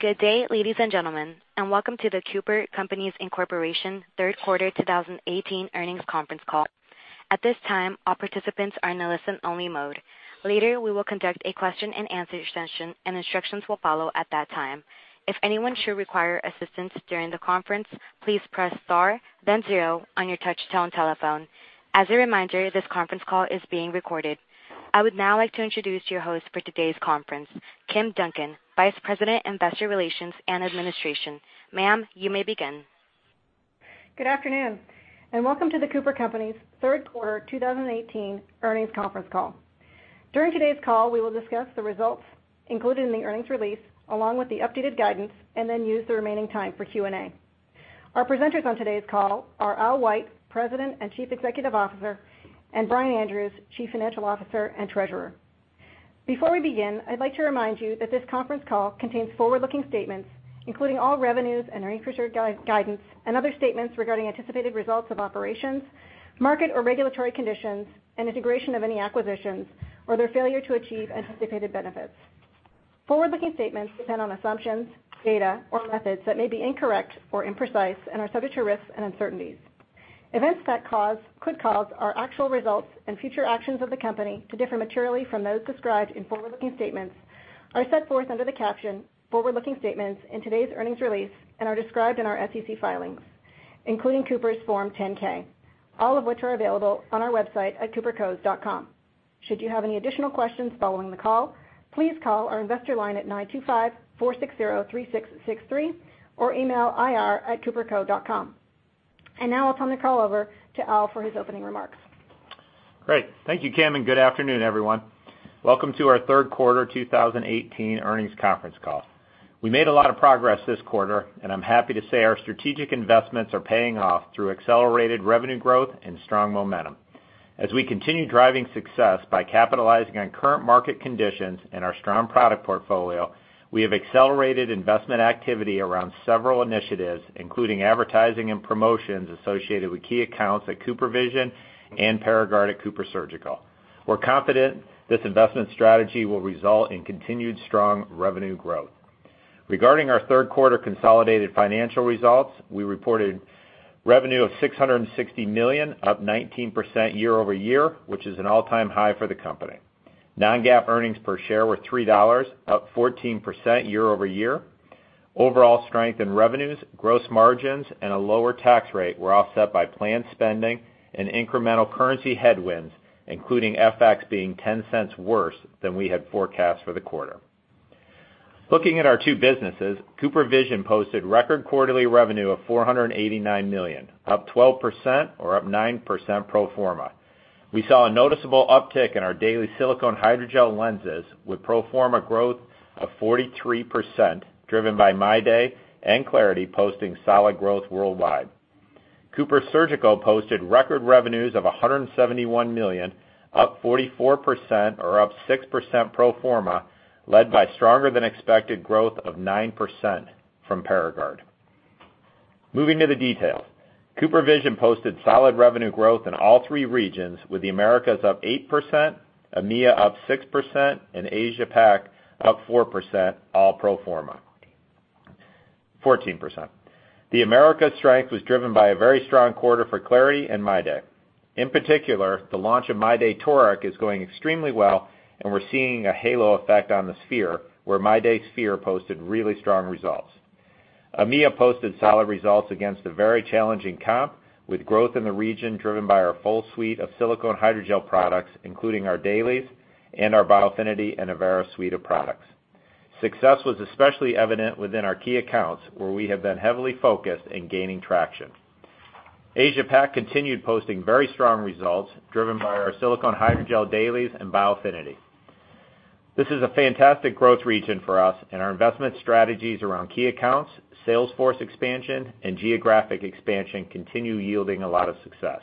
Good day, ladies and gentlemen, and welcome to The Cooper Companies, Inc. third quarter 2018 earnings conference call. At this time, all participants are in a listen-only mode. Later, we will conduct a question-and-answer session, and instructions will follow at that time. If anyone should require assistance during the conference, please press star then zero on your touch-tone telephone. As a reminder, this conference call is being recorded. I would now like to introduce your host for today's conference, Kim Duncan, Vice President, Investor Relations and Administration. Ma'am, you may begin. Good afternoon, and welcome to The Cooper Companies third quarter 2018 earnings conference call. During today's call, we will discuss the results included in the earnings release, along with the updated guidance, and then use the remaining time for Q&A. Our presenters on today's call are Al White, President and Chief Executive Officer, and Brian Andrews, Chief Financial Officer and Treasurer. Before we begin, I'd like to remind you that this conference call contains forward-looking statements, including all revenues and earnings per share guidance and other statements regarding anticipated results of operations, market or regulatory conditions, and integration of any acquisitions, or their failure to achieve anticipated benefits. Forward-looking statements depend on assumptions, data, or methods that may be incorrect or imprecise and are subject to risks and uncertainties. Events that could cause our actual results and future actions of the company to differ materially from those described in forward-looking statements are set forth under the caption Forward-Looking Statements in today's earnings release and are described in our SEC filings, including Cooper's Form 10-K, all of which are available on our website at coopercos.com. Should you have any additional questions following the call, please call our investor line at 925-460-3663, or email ir@coopercos.com. Now it's time to call over to Al for his opening remarks. Great. Thank you, Kim, and good afternoon, everyone. Welcome to our third quarter 2018 earnings conference call. We made a lot of progress this quarter, and I'm happy to say our strategic investments are paying off through accelerated revenue growth and strong momentum. As we continue driving success by capitalizing on current market conditions and our strong product portfolio, we have accelerated investment activity around several initiatives, including advertising and promotions associated with key accounts at CooperVision and ParaGard at CooperSurgical. We're confident this investment strategy will result in continued strong revenue growth. Regarding our third quarter consolidated financial results, we reported revenue of $660 million, up 19% year-over-year, which is an all-time high for the company. Non-GAAP earnings per share were $3, up 14% year-over-year. Overall strength in revenues, gross margins, and a lower tax rate were offset by planned spending and incremental currency headwinds, including FX being $0.10 worse than we had forecast for the quarter. Looking at our two businesses, CooperVision posted record quarterly revenue of $489 million, up 12% or up 9% pro forma. We saw a noticeable uptick in our daily silicone hydrogel lenses with pro forma growth of 43%, driven by MyDay and clariti posting solid growth worldwide. CooperSurgical posted record revenues of $171 million, up 44% or up 6% pro forma, led by stronger than expected growth of 9% from ParaGard. Moving to the details. CooperVision posted solid revenue growth in all three regions, with the Americas up 8%, EMEA up 6%, and Asia Pac up 4%, all pro forma. 14%. The Americas strength was driven by a very strong quarter for clariti and MyDay. In particular, the launch of MyDay toric is going extremely well, and we're seeing a halo effect on the sphere where MyDay sphere posted really strong results. EMEA posted solid results against a very challenging comp, with growth in the region driven by our full suite of silicone hydrogel products, including our dailies and our Biofinity and Avaira suite of products. Success was especially evident within our key accounts, where we have been heavily focused in gaining traction. Asia Pac continued posting very strong results, driven by our silicone hydrogel dailies and Biofinity. This is a fantastic growth region for us, and our investment strategies around key accounts, sales force expansion, and geographic expansion continue yielding a lot of success.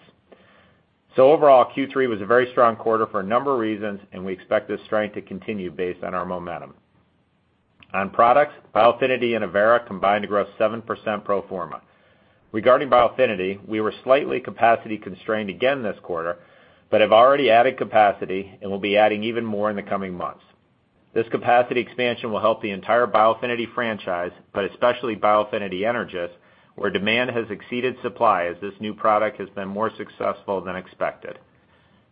Overall, Q3 was a very strong quarter for a number of reasons, and we expect this strength to continue based on our momentum. On products, Biofinity and Avaira combined to grow 7% pro forma. Regarding Biofinity, we were slightly capacity constrained again this quarter, but have already added capacity and will be adding even more in the coming months. This capacity expansion will help the entire Biofinity franchise, but especially Biofinity Energys, where demand has exceeded supply as this new product has been more successful than expected.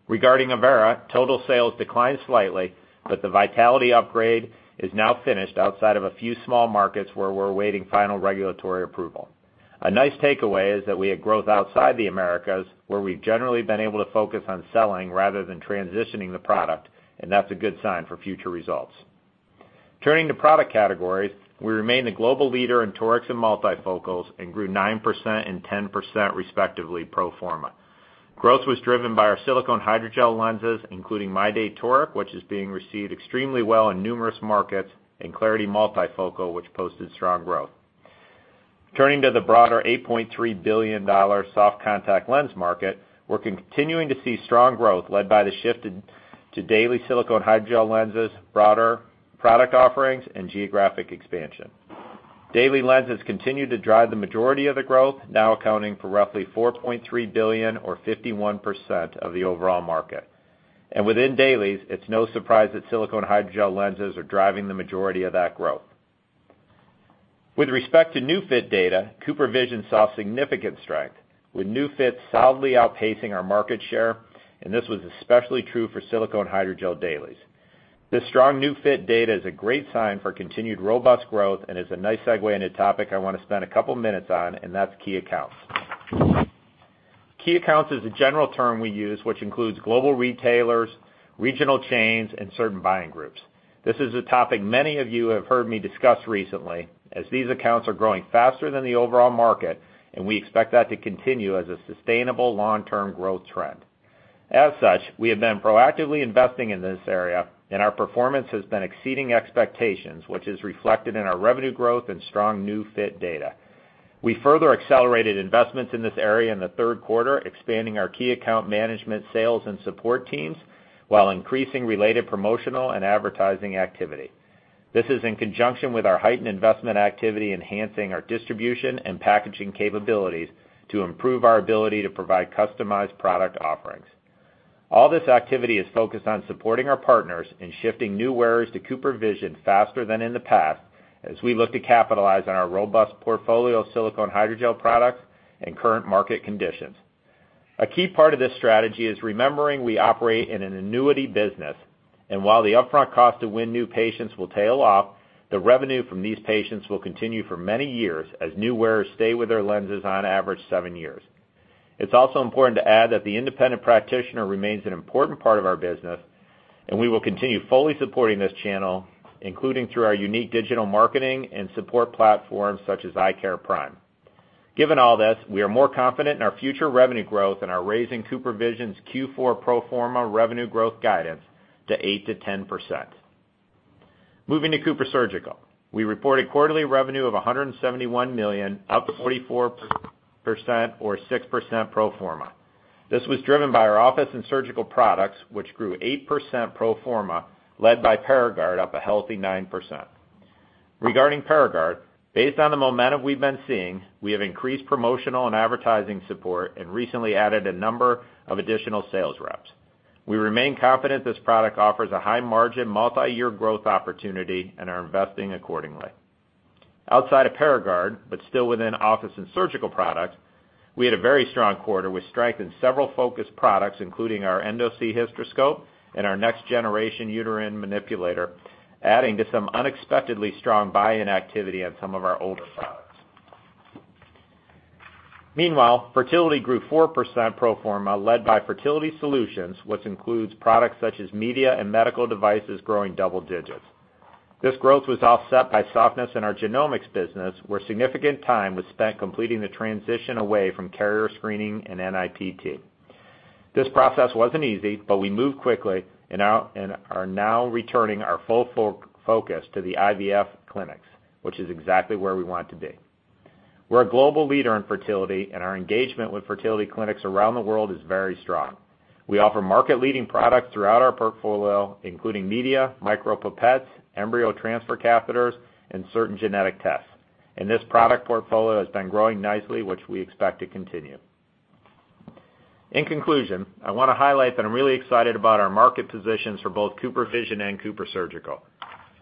Regarding Avaira, total sales declined slightly, but the vitality upgrade is now finished outside of a few small markets where we're awaiting final regulatory approval. A nice takeaway is that we had growth outside the Americas, where we've generally been able to focus on selling rather than transitioning the product, and that's a good sign for future results. Turning to product categories, we remain the global leader in torics and multifocals and grew 9% and 10% respectively, pro forma. Growth was driven by our silicone hydrogel lenses, including MyDay toric, which is being received extremely well in numerous markets, and clariti multifocal, which posted strong growth. Turning to the broader $8.3 billion soft contact lens market, we're continuing to see strong growth led by the shift to daily silicone hydrogel lenses, broader product offerings, and geographic expansion. Daily lenses continue to drive the majority of the growth, now accounting for roughly $4.3 billion or 51% of the overall market. Within dailies, it's no surprise that silicone hydrogel lenses are driving the majority of that growth. With respect to new fit data, CooperVision saw significant strength, with new fits solidly outpacing our market share, and this was especially true for silicone hydrogel dailies. This strong new fit data is a great sign for continued robust growth and is a nice segue into a topic I want to spend a couple minutes on. That's key accounts. Key accounts is a general term we use, which includes global retailers, regional chains, and certain buying groups. This is a topic many of you have heard me discuss recently, as these accounts are growing faster than the overall market, and we expect that to continue as a sustainable long-term growth trend. As such, we have been proactively investing in this area, and our performance has been exceeding expectations, which is reflected in our revenue growth and strong new fit data. We further accelerated investments in this area in the third quarter, expanding our key account management sales and support teams, while increasing related promotional and advertising activity. This is in conjunction with our heightened investment activity enhancing our distribution and packaging capabilities to improve our ability to provide customized product offerings. All this activity is focused on supporting our partners in shifting new wearers to CooperVision faster than in the past, as we look to capitalize on our robust portfolio of silicone hydrogel products and current market conditions. A key part of this strategy is remembering we operate in an annuity business, and while the upfront cost to win new patients will tail off, the revenue from these patients will continue for many years as new wearers stay with their lenses on average seven years. It's also important to add that the independent practitioner remains an important part of our business, and we will continue fully supporting this channel, including through our unique digital marketing and support platforms such as EyeCare Prime. Given all this, we are more confident in our future revenue growth and are raising CooperVision's Q4 pro forma revenue growth guidance to 8%-10%. Moving to CooperSurgical. We reported quarterly revenue of $171 million, up 44% or 6% pro forma. This was driven by our office and surgical products, which grew 8% pro forma, led by ParaGard, up a healthy 9%. Regarding ParaGard, based on the momentum we've been seeing, we have increased promotional and advertising support and recently added a number of additional sales reps. We remain confident this product offers a high margin, multi-year growth opportunity and are investing accordingly. Outside of ParaGard, but still within office and surgical products, we had a very strong quarter with strength in several focused products, including our EndoSee hysteroscope and our next generation uterine manipulator, adding to some unexpectedly strong buy-in activity on some of our older products. Meanwhile, fertility grew 4% pro forma, led by fertility solutions, which includes products such as media and medical devices growing double digits. This growth was offset by softness in our genomics business, where significant time was spent completing the transition away from carrier screening and NIPT. This process wasn't easy, but we moved quickly and are now returning our full focus to the IVF clinics, which is exactly where we want to be. We're a global leader in fertility, and our engagement with fertility clinics around the world is very strong. We offer market-leading products throughout our portfolio, including media, micropipettes, embryo transfer catheters, and certain genetic tests. This product portfolio has been growing nicely, which we expect to continue. In conclusion, I want to highlight that I'm really excited about our market positions for both CooperVision and CooperSurgical.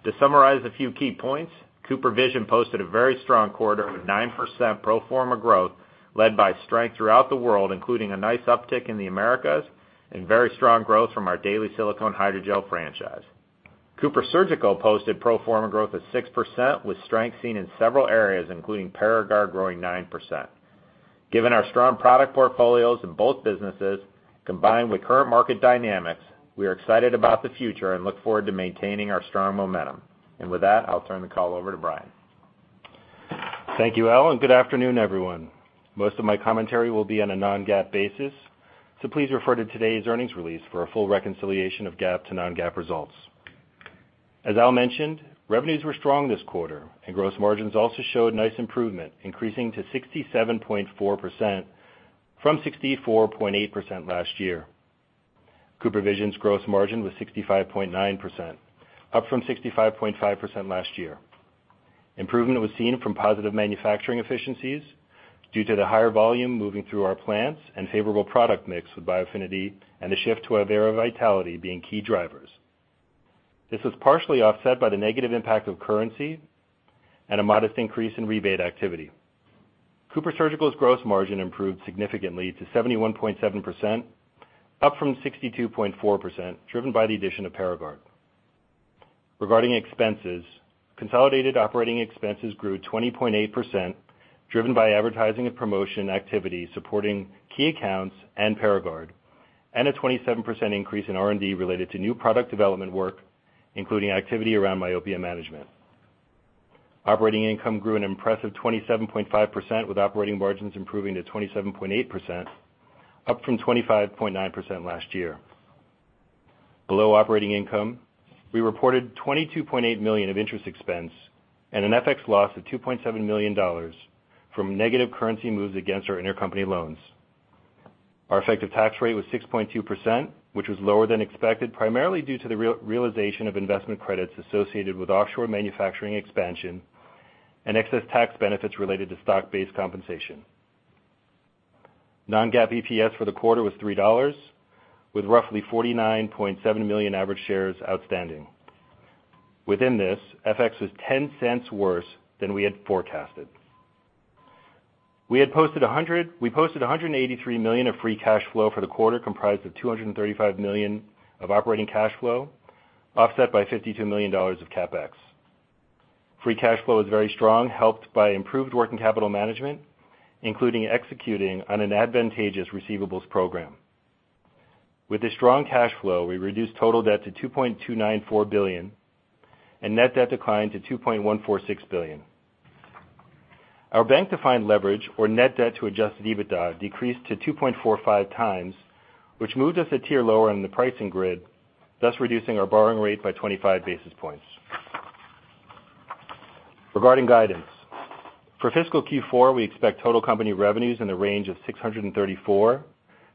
To summarize a few key points, CooperVision posted a very strong quarter with 9% pro forma growth, led by strength throughout the world, including a nice uptick in the Americas and very strong growth from our daily silicone hydrogel franchise. CooperSurgical posted pro forma growth of 6%, with strength seen in several areas, including ParaGard growing 9%. Given our strong product portfolios in both businesses, combined with current market dynamics, we are excited about the future and look forward to maintaining our strong momentum. With that, I'll turn the call over to Brian. Thank you, Al. Good afternoon, everyone. Most of my commentary will be on a non-GAAP basis. Please refer to today's earnings release for a full reconciliation of GAAP to non-GAAP results. As Al mentioned, revenues were strong this quarter. Gross margins also showed nice improvement, increasing to 67.4% from 64.8% last year. CooperVision's gross margin was 65.9%, up from 65.5% last year. Improvement was seen from positive manufacturing efficiencies due to the higher volume moving through our plants and favorable product mix with Biofinity and the shift to Avaira Vitality being key drivers. This was partially offset by the negative impact of currency and a modest increase in rebate activity. CooperSurgical's gross margin improved significantly to 71.7%, up from 62.4%, driven by the addition of ParaGard. Regarding expenses, consolidated operating expenses grew 20.8%, driven by advertising and promotion activity supporting key accounts and ParaGard, a 27% increase in R&D related to new product development work, including activity around myopia management. Operating income grew an impressive 27.5%, with operating margins improving to 27.8%, up from 25.9% last year. Below operating income, we reported $22.8 million of interest expense and an FX loss of $2.7 million from negative currency moves against our intercompany loans. Our effective tax rate was 6.2%, which was lower than expected, primarily due to the realization of investment credits associated with offshore manufacturing expansion and excess tax benefits related to stock-based compensation. Non-GAAP EPS for the quarter was $3, with roughly 49.7 million average shares outstanding. Within this, FX was $0.10 worse than we had forecasted. We posted $183 million of free cash flow for the quarter, comprised of $235 million of operating cash flow, offset by $52 million of CapEx. Free cash flow is very strong, helped by improved working capital management, including executing on an advantageous receivables program. With the strong cash flow, we reduced total debt to $2.294 billion. Net debt declined to $2.146 billion. Our bank-defined leverage or net debt to adjusted EBITDA decreased to 2.45 times, which moved us a tier lower in the pricing grid, thus reducing our borrowing rate by 25 basis points. Regarding guidance. For fiscal Q4, we expect total company revenues in the range of $634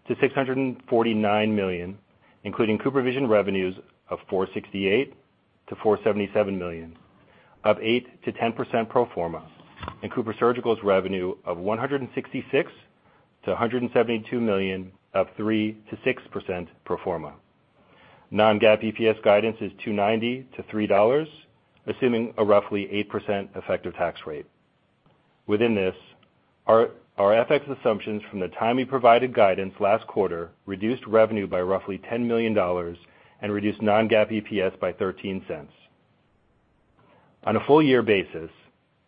million-$649 million, including CooperVision revenues of $468 million-$477 million, up 8%-10% pro forma, CooperSurgical's revenue of $166 million-$172 million, up 3%-6% pro forma. Non-GAAP EPS guidance is $2.90 to $3, assuming a roughly 8% effective tax rate. Within this, our FX assumptions from the time we provided guidance last quarter reduced revenue by roughly $10 million and reduced non-GAAP EPS by $0.13. On a full year basis,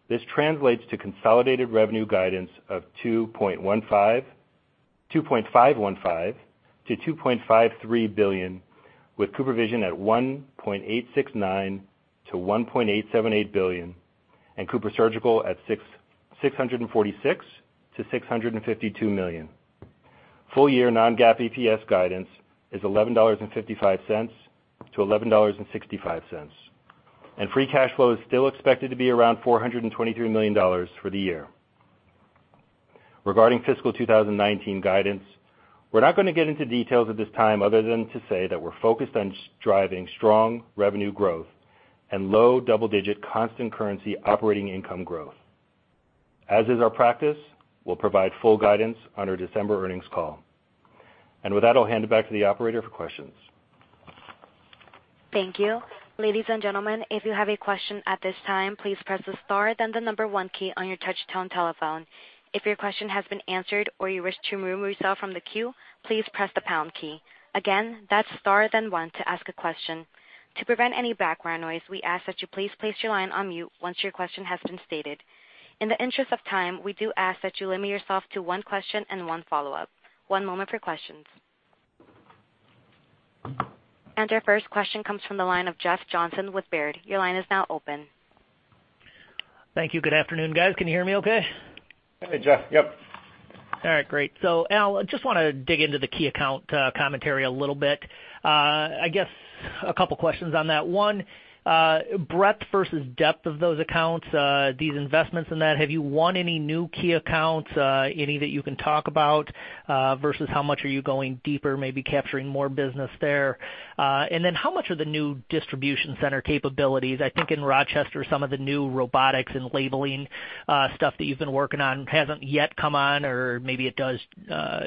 this translates to consolidated revenue guidance of $2.515 billion-$2.53 billion, with CooperVision at $1.869 billion-$1.878 billion and CooperSurgical at $646 million-$652 million. Full year non-GAAP EPS guidance is $11.55 to $11.65. Free cash flow is still expected to be around $423 million for the year. Regarding fiscal 2019 guidance, we're not going to get into details at this time other than to say that we're focused on driving strong revenue growth and low double-digit constant currency operating income growth. As is our practice, we'll provide full guidance on our December earnings call. With that, I'll hand it back to the operator for questions. Thank you. Ladies and gentlemen, if you have a question at this time, please press the star then the number one key on your touchtone telephone. If your question has been answered or you wish to remove yourself from the queue, please press the pound key. Again, that's star then one to ask a question. To prevent any background noise, we ask that you please place your line on mute once your question has been stated. In the interest of time, we do ask that you limit yourself to one question and one follow-up. One moment for questions. Our first question comes from the line of Jeff Johnson with Baird. Your line is now open. Thank you. Good afternoon, guys. Can you hear me okay? Hey, Jeff. Yep. All right, great. Al, I just want to dig into the key account commentary a little bit. I guess a couple of questions on that. One, breadth versus depth of those accounts, these investments in that. Have you won any new key accounts, any that you can talk about, versus how much are you going deeper, maybe capturing more business there? How much are the new distribution center capabilities? I think in Rochester, some of the new robotics and labeling stuff that you've been working on hasn't yet come on, or maybe it does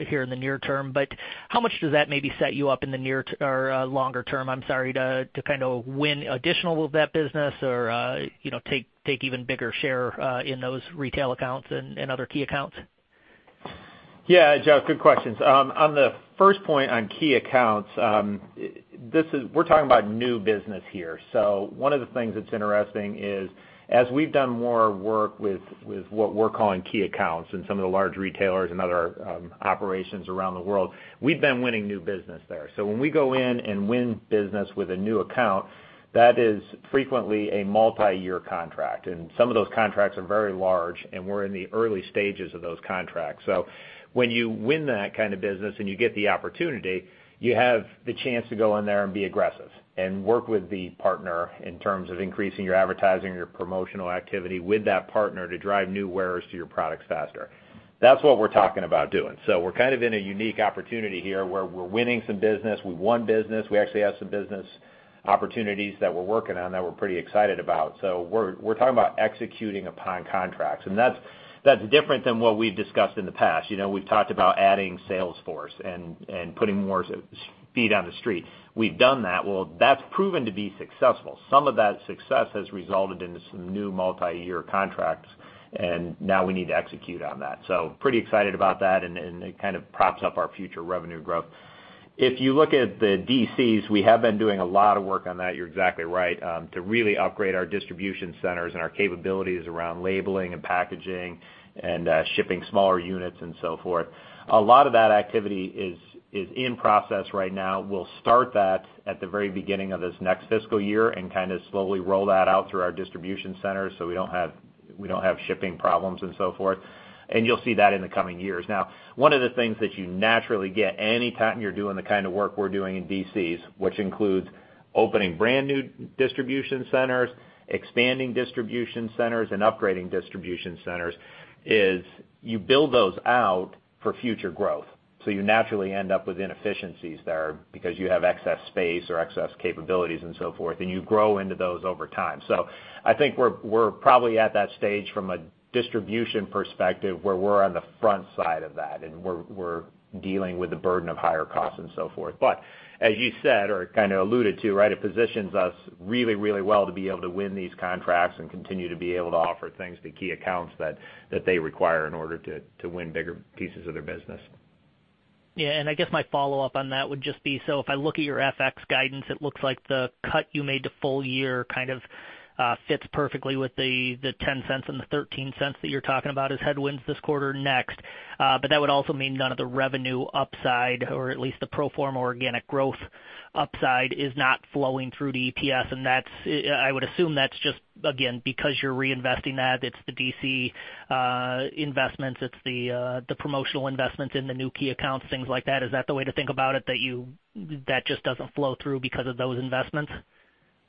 here in the near term, but how much does that maybe set you up in the longer term to kind of win additional of that business or take even bigger share in those retail accounts and other key accounts? Yeah, Jeff, good questions. On the first point on key accounts, we're talking about new business here. One of the things that's interesting is as we've done more work with what we're calling key accounts and some of the large retailers and other operations around the world, we've been winning new business there. When we go in and win business with a new account, that is frequently a multi-year contract. Some of those contracts are very large, and we're in the early stages of those contracts. When you win that kind of business and you get the opportunity, you have the chance to go in there and be aggressive and work with the partner in terms of increasing your advertising or your promotional activity with that partner to drive new wearers to your products faster. That's what we're talking about doing. We're kind of in a unique opportunity here where we're winning some business. We've won business. We actually have some business opportunities that we're working on that we're pretty excited about. We're talking about executing upon contracts, and that's different than what we've discussed in the past. We've talked about adding sales force and putting more feet on the street. We've done that. Well, that's proven to be successful. Some of that success has resulted in some new multi-year contracts, and now we need to execute on that. Pretty excited about that, and it kind of props up our future revenue growth. If you look at the DCs, we have been doing a lot of work on that, you're exactly right, to really upgrade our distribution centers and our capabilities around labeling and packaging and shipping smaller units and so forth. A lot of that activity is in process right now. We'll start that at the very beginning of this next fiscal year and kind of slowly roll that out through our distribution centers so we don't have shipping problems and so forth. You'll see that in the coming years. One of the things that you naturally get any time you're doing the kind of work we're doing in DCs, which includes Opening brand new distribution centers, expanding distribution centers, and upgrading distribution centers is you build those out for future growth. You naturally end up with inefficiencies there because you have excess space or excess capabilities and so forth, and you grow into those over time. I think we're probably at that stage from a distribution perspective, where we're on the front side of that, and we're dealing with the burden of higher costs and so forth. As you said, or kind of alluded to, it positions us really well to be able to win these contracts and continue to be able to offer things to key accounts that they require in order to win bigger pieces of their business. Yeah. I guess my follow-up on that would just be, if I look at your FX guidance, it looks like the cut you made to full year kind of fits perfectly with the $0.10 and the $0.13 that you're talking about as headwinds this quarter next. That would also mean none of the revenue upside, or at least the pro forma organic growth upside, is not flowing through to EPS. I would assume that's just, again, because you're reinvesting that, it's the DC investments, it's the promotional investments in the new key accounts, things like that. Is that the way to think about it, that just doesn't flow through because of those investments? Yeah,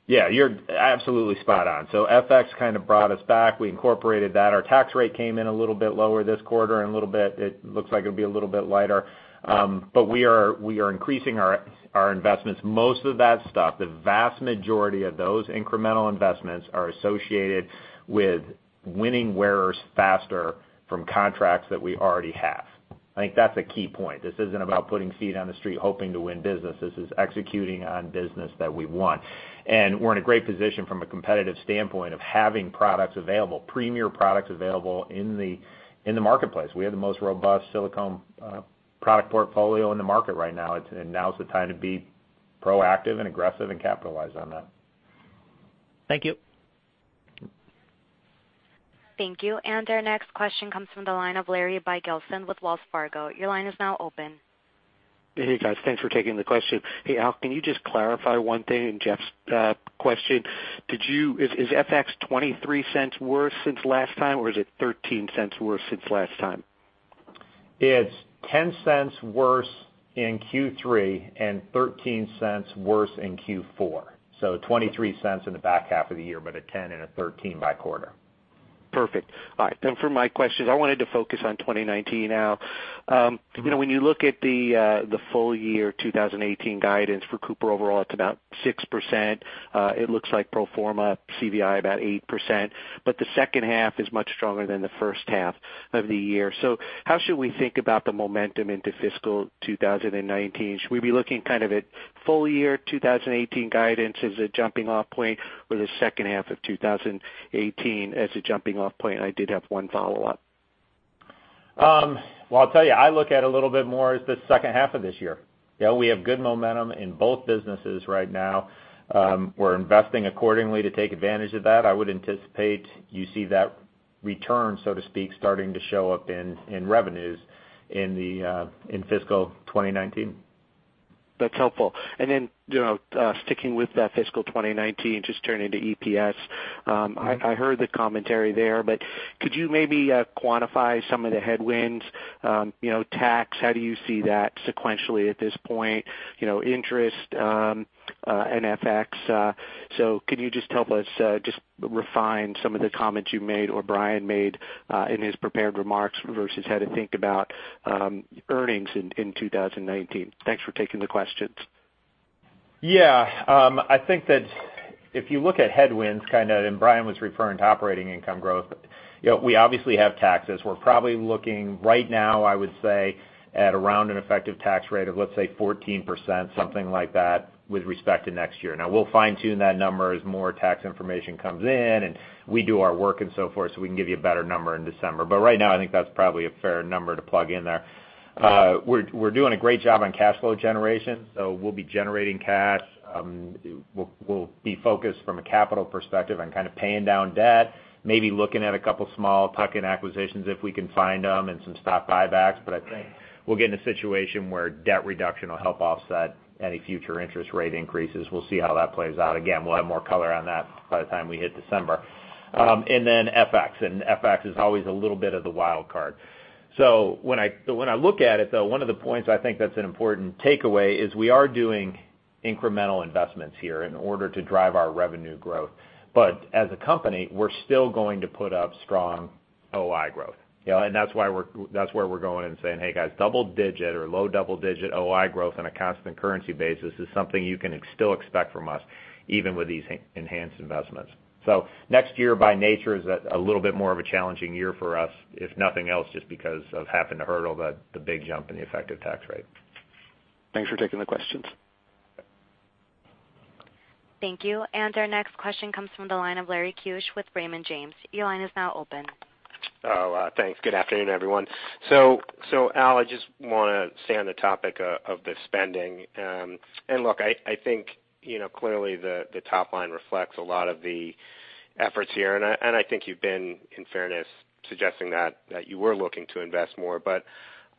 you're absolutely spot on. FX kind of brought us back. We incorporated that. Our tax rate came in a little bit lower this quarter, and it looks like it'll be a little bit lighter. We are increasing our investments. Most of that stuff, the vast majority of those incremental investments are associated with winning wearers faster from contracts that we already have. I think that's a key point. This isn't about putting feet on the street hoping to win business. This is executing on business that we won. We're in a great position from a competitive standpoint of having products available, premier products available in the marketplace. We have the most robust silicone product portfolio in the market right now, and now's the time to be proactive and aggressive and capitalize on that. Thank you. Thank you. Our next question comes from the line of Larry Biegelsen with Wells Fargo. Your line is now open. Hey, guys. Thanks for taking the question. Hey, Al, can you just clarify one thing in Jeff's question? Is FX $0.23 worse since last time, or is it $0.13 worse since last time? It's $0.10 worse in Q3 and $0.13 worse in Q4. $0.23 in the back half of the year, but a $0.10 and a $0.13 by quarter. Perfect. All right. For my questions, I wanted to focus on 2019 now. When you look at the full year 2018 guidance for Cooper overall, it's about 6%. It looks like pro forma CVI about 8%, but the second half is much stronger than the first half of the year. How should we think about the momentum into fiscal 2019? Should we be looking kind of at full year 2018 guidance as a jumping off point, or the second half of 2018 as a jumping off point? I did have one follow-up. Well, I'll tell you, I look at it a little bit more as the second half of this year. We have good momentum in both businesses right now. We're investing accordingly to take advantage of that. I would anticipate you see that return, so to speak, starting to show up in revenues in fiscal 2019. That's helpful. Sticking with fiscal 2019, just turning to EPS. I heard the commentary there, but could you maybe quantify some of the headwinds? Tax, how do you see that sequentially at this point? Interest and FX. Can you just help us just refine some of the comments you made or Brian made in his prepared remarks versus how to think about earnings in 2019? Thanks for taking the questions. Yeah. I think that if you look at headwinds, Brian was referring to operating income growth, we obviously have taxes. We're probably looking right now, I would say, at around an effective tax rate of, let's say, 14%, something like that with respect to next year. We'll fine tune that number as more tax information comes in and we do our work and so forth, so we can give you a better number in December. Right now, I think that's probably a fair number to plug in there. We're doing a great job on cash flow generation, so we'll be generating cash. We'll be focused from a capital perspective on kind of paying down debt, maybe looking at a couple small tuck-in acquisitions if we can find them, and some stock buybacks. I think we'll get in a situation where debt reduction will help offset any future interest rate increases. We'll see how that plays out. Again, we'll have more color on that by the time we hit December. Then FX is always a little bit of the wild card. When I look at it, though, one of the points I think that's an important takeaway is we are doing incremental investments here in order to drive our revenue growth. As a company, we're still going to put up strong OI growth. That's where we're going and saying, "Hey, guys, double-digit or low double-digit OI growth on a constant currency basis is something you can still expect from us, even with these enhanced investments." Next year, by nature, is a little bit more of a challenging year for us, if nothing else, just because of having to hurdle the big jump in the effective tax rate. Thanks for taking the questions. Thank you. Our next question comes from the line of Lawrence Keusch with Raymond James. Your line is now open. Thanks. Good afternoon, everyone. Al, I just want to stay on the topic of the spending. Look, I think clearly the top line reflects a lot of the efforts here, and I think you've been, in fairness, suggesting that you were looking to invest more.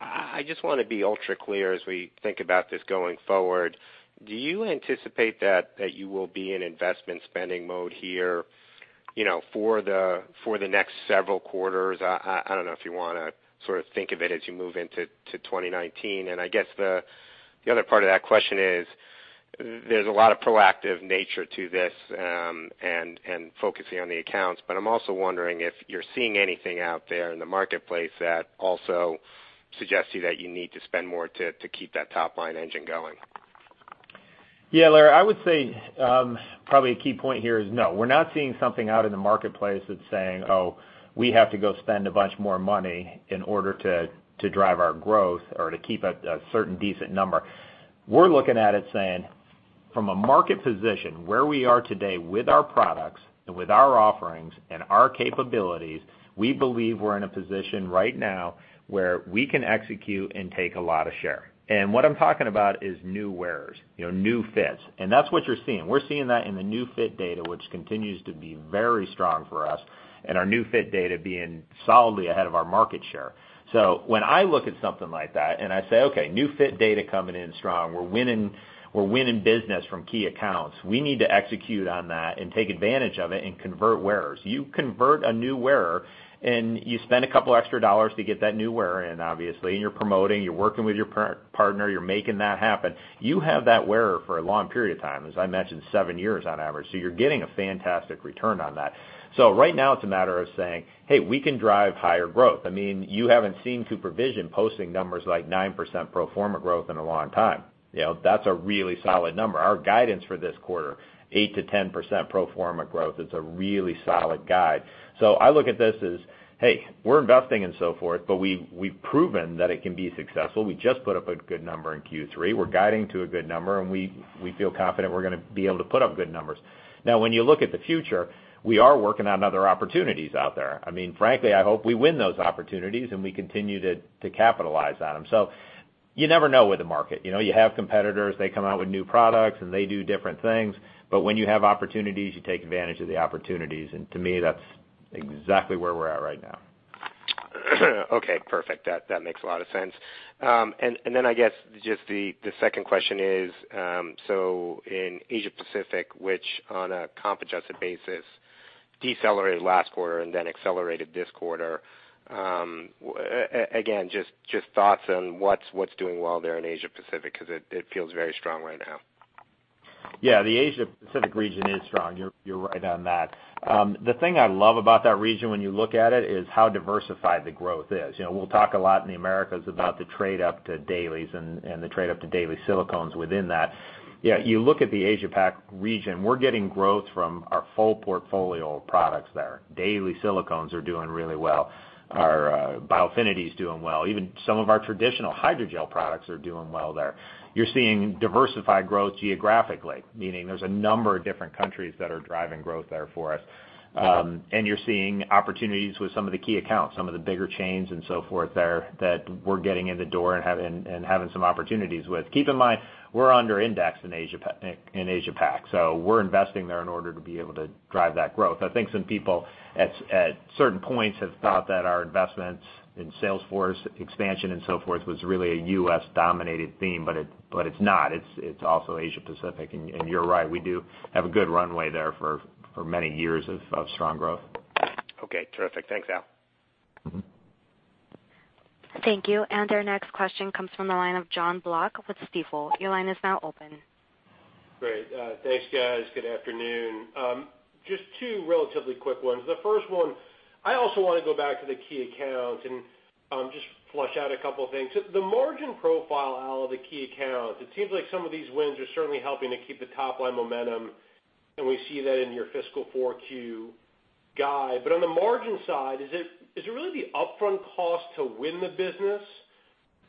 I just want to be ultra clear as we think about this going forward, do you anticipate that you will be in investment spending mode here For the next several quarters, I don't know if you want to think of it as you move into 2019. I guess the other part of that question is, there's a lot of proactive nature to this and focusing on the accounts, I'm also wondering if you're seeing anything out there in the marketplace that also suggests to you that you need to spend more to keep that top line engine going. Larry, I would say probably a key point here is no, we're not seeing something out in the marketplace that's saying, Oh, we have to go spend a bunch more money in order to drive our growth or to keep a certain decent number. We're looking at it saying, from a market position where we are today with our products, and with our offerings, and our capabilities, we believe we're in a position right now where we can execute and take a lot of share. What I'm talking about is new wearers, new fits. That's what you're seeing. We're seeing that in the new fit data, which continues to be very strong for us. Our new fit data being solidly ahead of our market share. When I look at something like that, I say, Okay, new fit data coming in strong. We're winning business from key accounts. We need to execute on that and take advantage of it and convert wearers. You convert a new wearer, and you spend a couple extra dollars to get that new wearer in, obviously, and you're promoting, you're working with your partner, you're making that happen. You have that wearer for a long period of time, as I mentioned, seven years on average, you're getting a fantastic return on that. Right now it's a matter of saying, hey, we can drive higher growth. You haven't seen CooperVision posting numbers like 9% pro forma growth in a long time. That's a really solid number. Our guidance for this quarter, 8%-10% pro forma growth, is a really solid guide. I look at this as, hey, we're investing and so forth, we've proven that it can be successful. We just put up a good number in Q3. We're guiding to a good number, and we feel confident we're going to be able to put up good numbers. When you look at the future, we are working on other opportunities out there. Frankly, I hope we win those opportunities, and we continue to capitalize on them. You never know with the market. You have competitors, they come out with new products, and they do different things. When you have opportunities, you take advantage of the opportunities. To me, that's exactly where we're at right now. Okay, perfect. That makes a lot of sense. I guess, just the second question is, in Asia Pacific, which on a comp adjusted basis decelerated last quarter and then accelerated this quarter. Again, just thoughts on what's doing well there in Asia Pacific, because it feels very strong right now. Yeah, the Asia Pacific region is strong. You're right on that. The thing I love about that region when you look at it is how diversified the growth is. We'll talk a lot in the Americas about the trade up to dailies and the trade up to daily silicones within that. You look at the Asia Pac region, we're getting growth from our full portfolio of products there. Daily silicones are doing really well. Our Biofinity is doing well. Even some of our traditional hydrogel products are doing well there. You're seeing diversified growth geographically, meaning there's a number of different countries that are driving growth there for us. You're seeing opportunities with some of the key accounts, some of the bigger chains and so forth there that we're getting in the door and having some opportunities with. Keep in mind, we're under indexed in Asia Pac, we're investing there in order to be able to drive that growth. I think some people at certain points have thought that our investments in sales force expansion and so forth was really a U.S.-dominated theme, but it's not. It's also Asia Pacific, you're right, we do have a good runway there for many years of strong growth. Okay, terrific. Thanks, Al. Thank you. Our next question comes from the line of John Block with Stifel. Your line is now open. Great. Thanks, guys. Good afternoon. Just two relatively quick ones. The first one, I also want to go back to the key accounts and just flush out a couple of things. The margin profile, Al, of the key accounts, it seems like some of these wins are certainly helping to keep the top-line momentum, and we see that in your fiscal 4Q guide. On the margin side, is it really the upfront cost to win the business?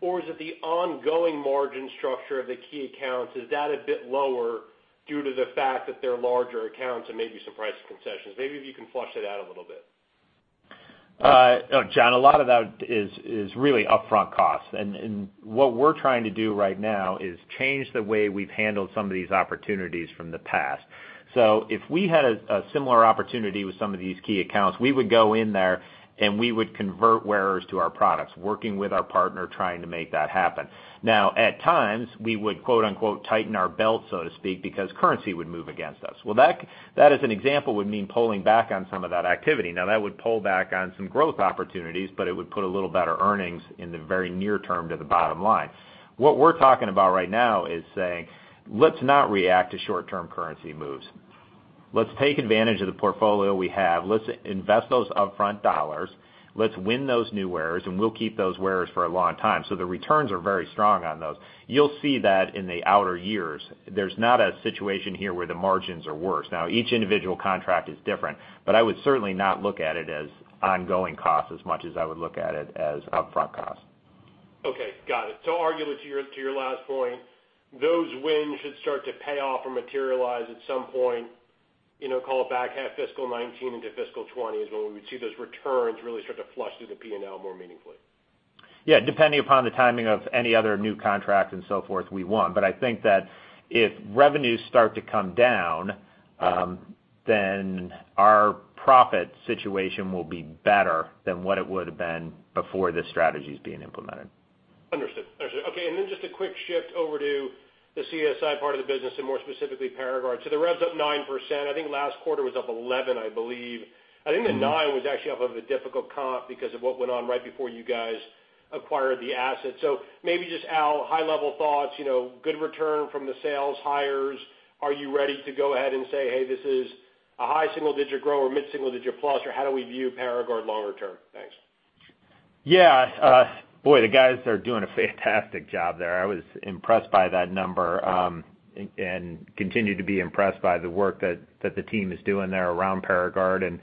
Or is it the ongoing margin structure of the key accounts? Is that a bit lower due to the fact that they're larger accounts and maybe some price concessions? Maybe if you can flush that out a little bit. John, a lot of that is really upfront costs. What we're trying to do right now is change the way we've handled some of these opportunities from the past. If we had a similar opportunity with some of these key accounts, we would go in there and we would convert wearers to our products, working with our partner, trying to make that happen. At times, we would quote unquote, "tighten our belt," so to speak, because currency would move against us. That as an example, would mean pulling back on some of that activity. That would pull back on some growth opportunities, but it would put a little better earnings in the very near term to the bottom line. What we're talking about right now is saying, "Let's not react to short-term currency moves. Let's take advantage of the portfolio we have. Let's invest those upfront dollars. Let's win those new wearers, and we'll keep those wearers for a long time." The returns are very strong on those. You'll see that in the outer years. There's not a situation here where the margins are worse. Each individual contract is different, but I would certainly not look at it as ongoing costs as much as I would look at it as upfront costs. Okay. Got it. Arguably to your last point, those wins should start to pay off or materialize at some point, call it back half fiscal 2019 into fiscal 2020 is when we would see those returns really start to flush through the P&L more meaningfully. Yeah, depending upon the timing of any other new contracts and so forth we won. I think that if revenues start to come down, then our profit situation will be better than what it would have been before the strategies being implemented. Understood. Okay, just a quick shift over to the CSI part of the business, and more specifically, ParaGard. The rev's up 9%. I think last quarter was up 11, I believe. I think the nine was actually off of a difficult comp because of what went on right before you guys acquired the asset. Maybe just, Al, high-level thoughts, good return from the sales hires. Are you ready to go ahead and say, "Hey, this is a high single-digit growth or mid-single digit plus," or how do we view ParaGard longer term? Thanks. Yeah. Boy, the guys are doing a fantastic job there. I was impressed by that number, and continue to be impressed by the work that the team is doing there around ParaGard.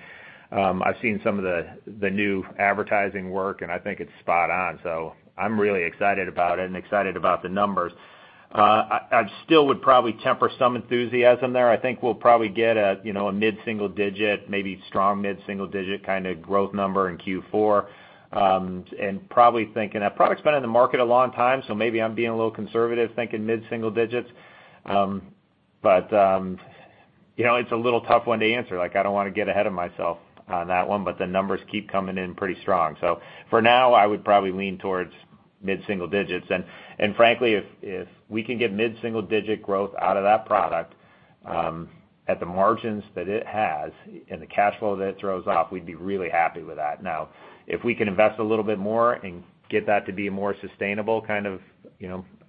I've seen some of the new advertising work, and I think it's spot on. I'm really excited about it and excited about the numbers. I still would probably temper some enthusiasm there. I think we'll probably get a mid-single digit, maybe strong mid-single digit kind of growth number in Q4. Probably thinking that product's been in the market a long time, maybe I'm being a little conservative thinking mid-single digits. It's a little tough one to answer, I don't want to get ahead of myself on that one, the numbers keep coming in pretty strong. For now, I would probably lean towards mid-single digits. Frankly, if we can get mid-single digit growth out of that product, at the margins that it has and the cash flow that it throws off, we'd be really happy with that. If we can invest a little bit more and get that to be more sustainable, kind of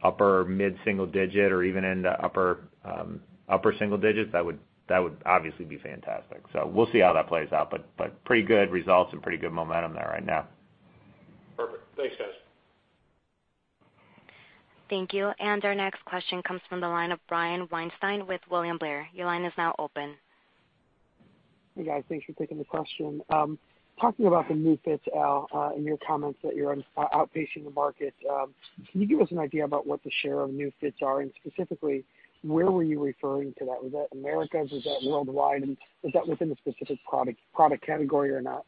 upper mid-single digit or even into upper single digits, that would obviously be fantastic. We'll see how that plays out, pretty good results and pretty good momentum there right now. Perfect. Thanks, guys. Thank you. Our next question comes from the line of Brian Weinstein with William Blair. Your line is now open. Hey, guys, thanks for taking the question. Talking about the new fits, Al, in your comments that you're outpacing the market, can you give us an idea about what the share of new fits are, and specifically, where were you referring to that? Was that Americas? Was that worldwide? Is that within a specific product category or not?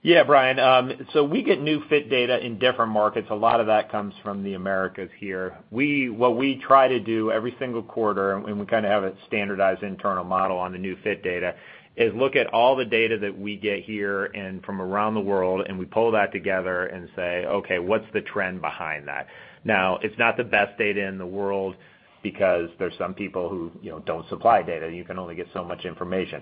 Yeah, Brian. We get new fit data in different markets. A lot of that comes from the Americas here. What we try to do every single quarter, and we kind of have a standardized internal model on the new fit data, is look at all the data that we get here and from around the world, and we pull that together and say, "Okay, what's the trend behind that?" Now, it's not the best data in the world because there's some people who don't supply data, and you can only get so much information.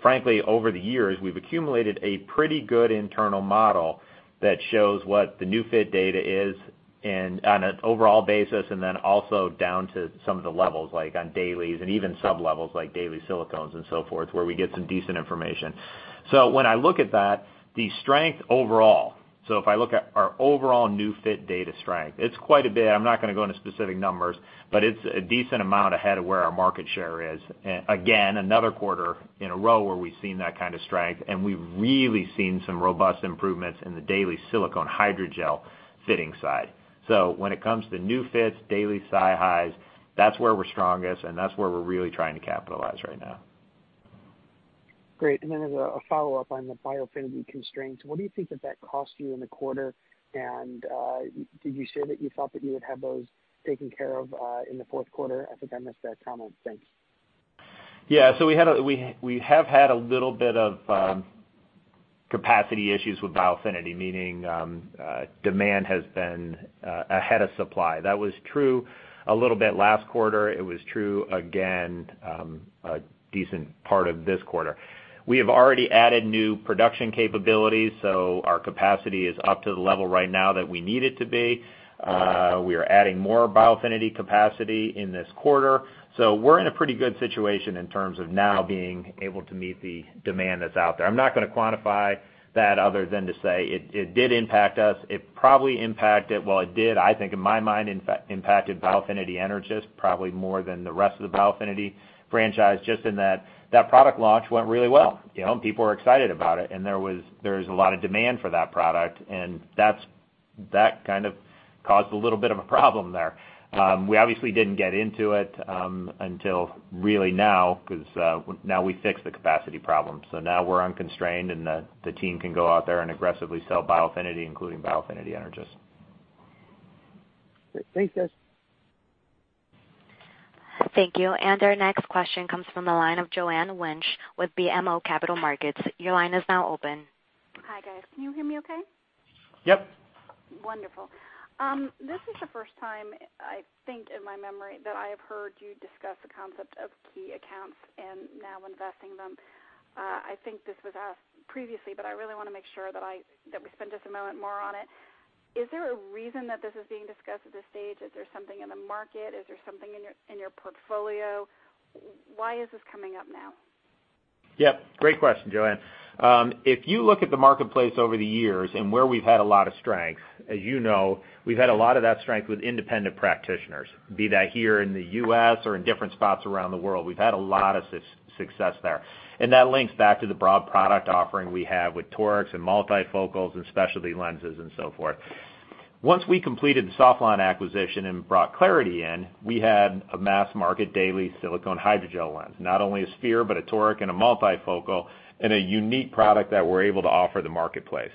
Frankly, over the years, we've accumulated a pretty good internal model that shows what the new fit data is and on an overall basis, and then also down to some of the levels, like on dailies and even sub-levels, like daily silicones and so forth, where we get some decent information. When I look at that, the strength overall, if I look at our overall new fit data strength, it's quite a bit. I'm not going to go into specific numbers, but it's a decent amount ahead of where our market share is. Again, another quarter in a row where we've seen that kind of strength, and we've really seen some robust improvements in the daily silicone hydrogel fitting side. When it comes to new fits, daily SiHys, that's where we're strongest, and that's where we're really trying to capitalize right now. Great. As a follow-up on the Biofinity constraints, what do you think that cost you in the quarter, and did you share that you thought that you would have those taken care of in the fourth quarter? I think I missed that comment. Thanks. Yeah. We have had a little bit of capacity issues with Biofinity, meaning demand has been ahead of supply. That was true a little bit last quarter. It was true again a decent part of this quarter. We have already added new production capabilities, so our capacity is up to the level right now that we need it to be. We are adding more Biofinity capacity in this quarter. We're in a pretty good situation in terms of now being able to meet the demand that's out there. I'm not going to quantify that other than to say it did impact us. It probably impacted, well, it did, I think, in my mind, impacted Biofinity Energys probably more than the rest of the Biofinity franchise, just in that product launch went really well. People were excited about it, there was a lot of demand for that product, that kind of caused a little bit of a problem there. We obviously didn't get into it until really now because now we fixed the capacity problem. Now we're unconstrained, the team can go out there and aggressively sell Biofinity, including Biofinity Energys. Great. Thanks, guys. Thank you. Our next question comes from the line of Joanne Wuensch with BMO Capital Markets. Your line is now open. Hi, guys. Can you hear me okay? Yep. Wonderful. This is the first time, I think, in my memory, that I have heard you discuss the concept of key accounts and now investing them. I think this was asked previously, but I really want to make sure that we spend just a moment more on it. Is there a reason that this is being discussed at this stage? Is there something in the market? Is there something in your portfolio? Why is this coming up now? Great question, Joanne. If you look at the marketplace over the years and where we've had a lot of strength, as you know, we've had a lot of that strength with independent practitioners, be that here in the U.S. or in different spots around the world. We've had a lot of success there. That links back to the broad product offering we have with torics and multifocals and specialty lenses and so forth. Once we completed the Sauflon acquisition and brought clariti in, we had a mass-market daily silicone hydrogel lens. Not only a sphere, but a toric and a multifocal, and a unique product that we're able to offer the marketplace.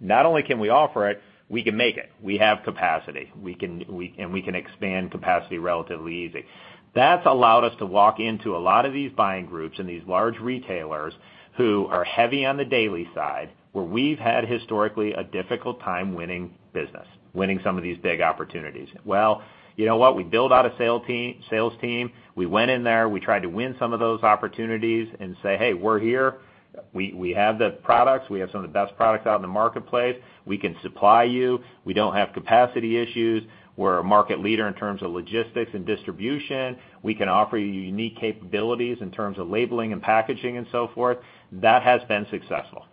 Not only can we offer it, we can make it. We have capacity, and we can expand capacity relatively easy. That's allowed us to walk into a lot of these buying groups and these large retailers who are heavy on the daily side, where we've had historically a difficult time winning business, winning some of these big opportunities. You know what? We build out a sales team. We went in there, we tried to win some of those opportunities and say, "Hey, we're here. We have the products. We have some of the best products out in the marketplace. We can supply you. We don't have capacity issues. We're a market leader in terms of logistics and distribution. We can offer you unique capabilities in terms of labeling and packaging and so forth." That has been successful.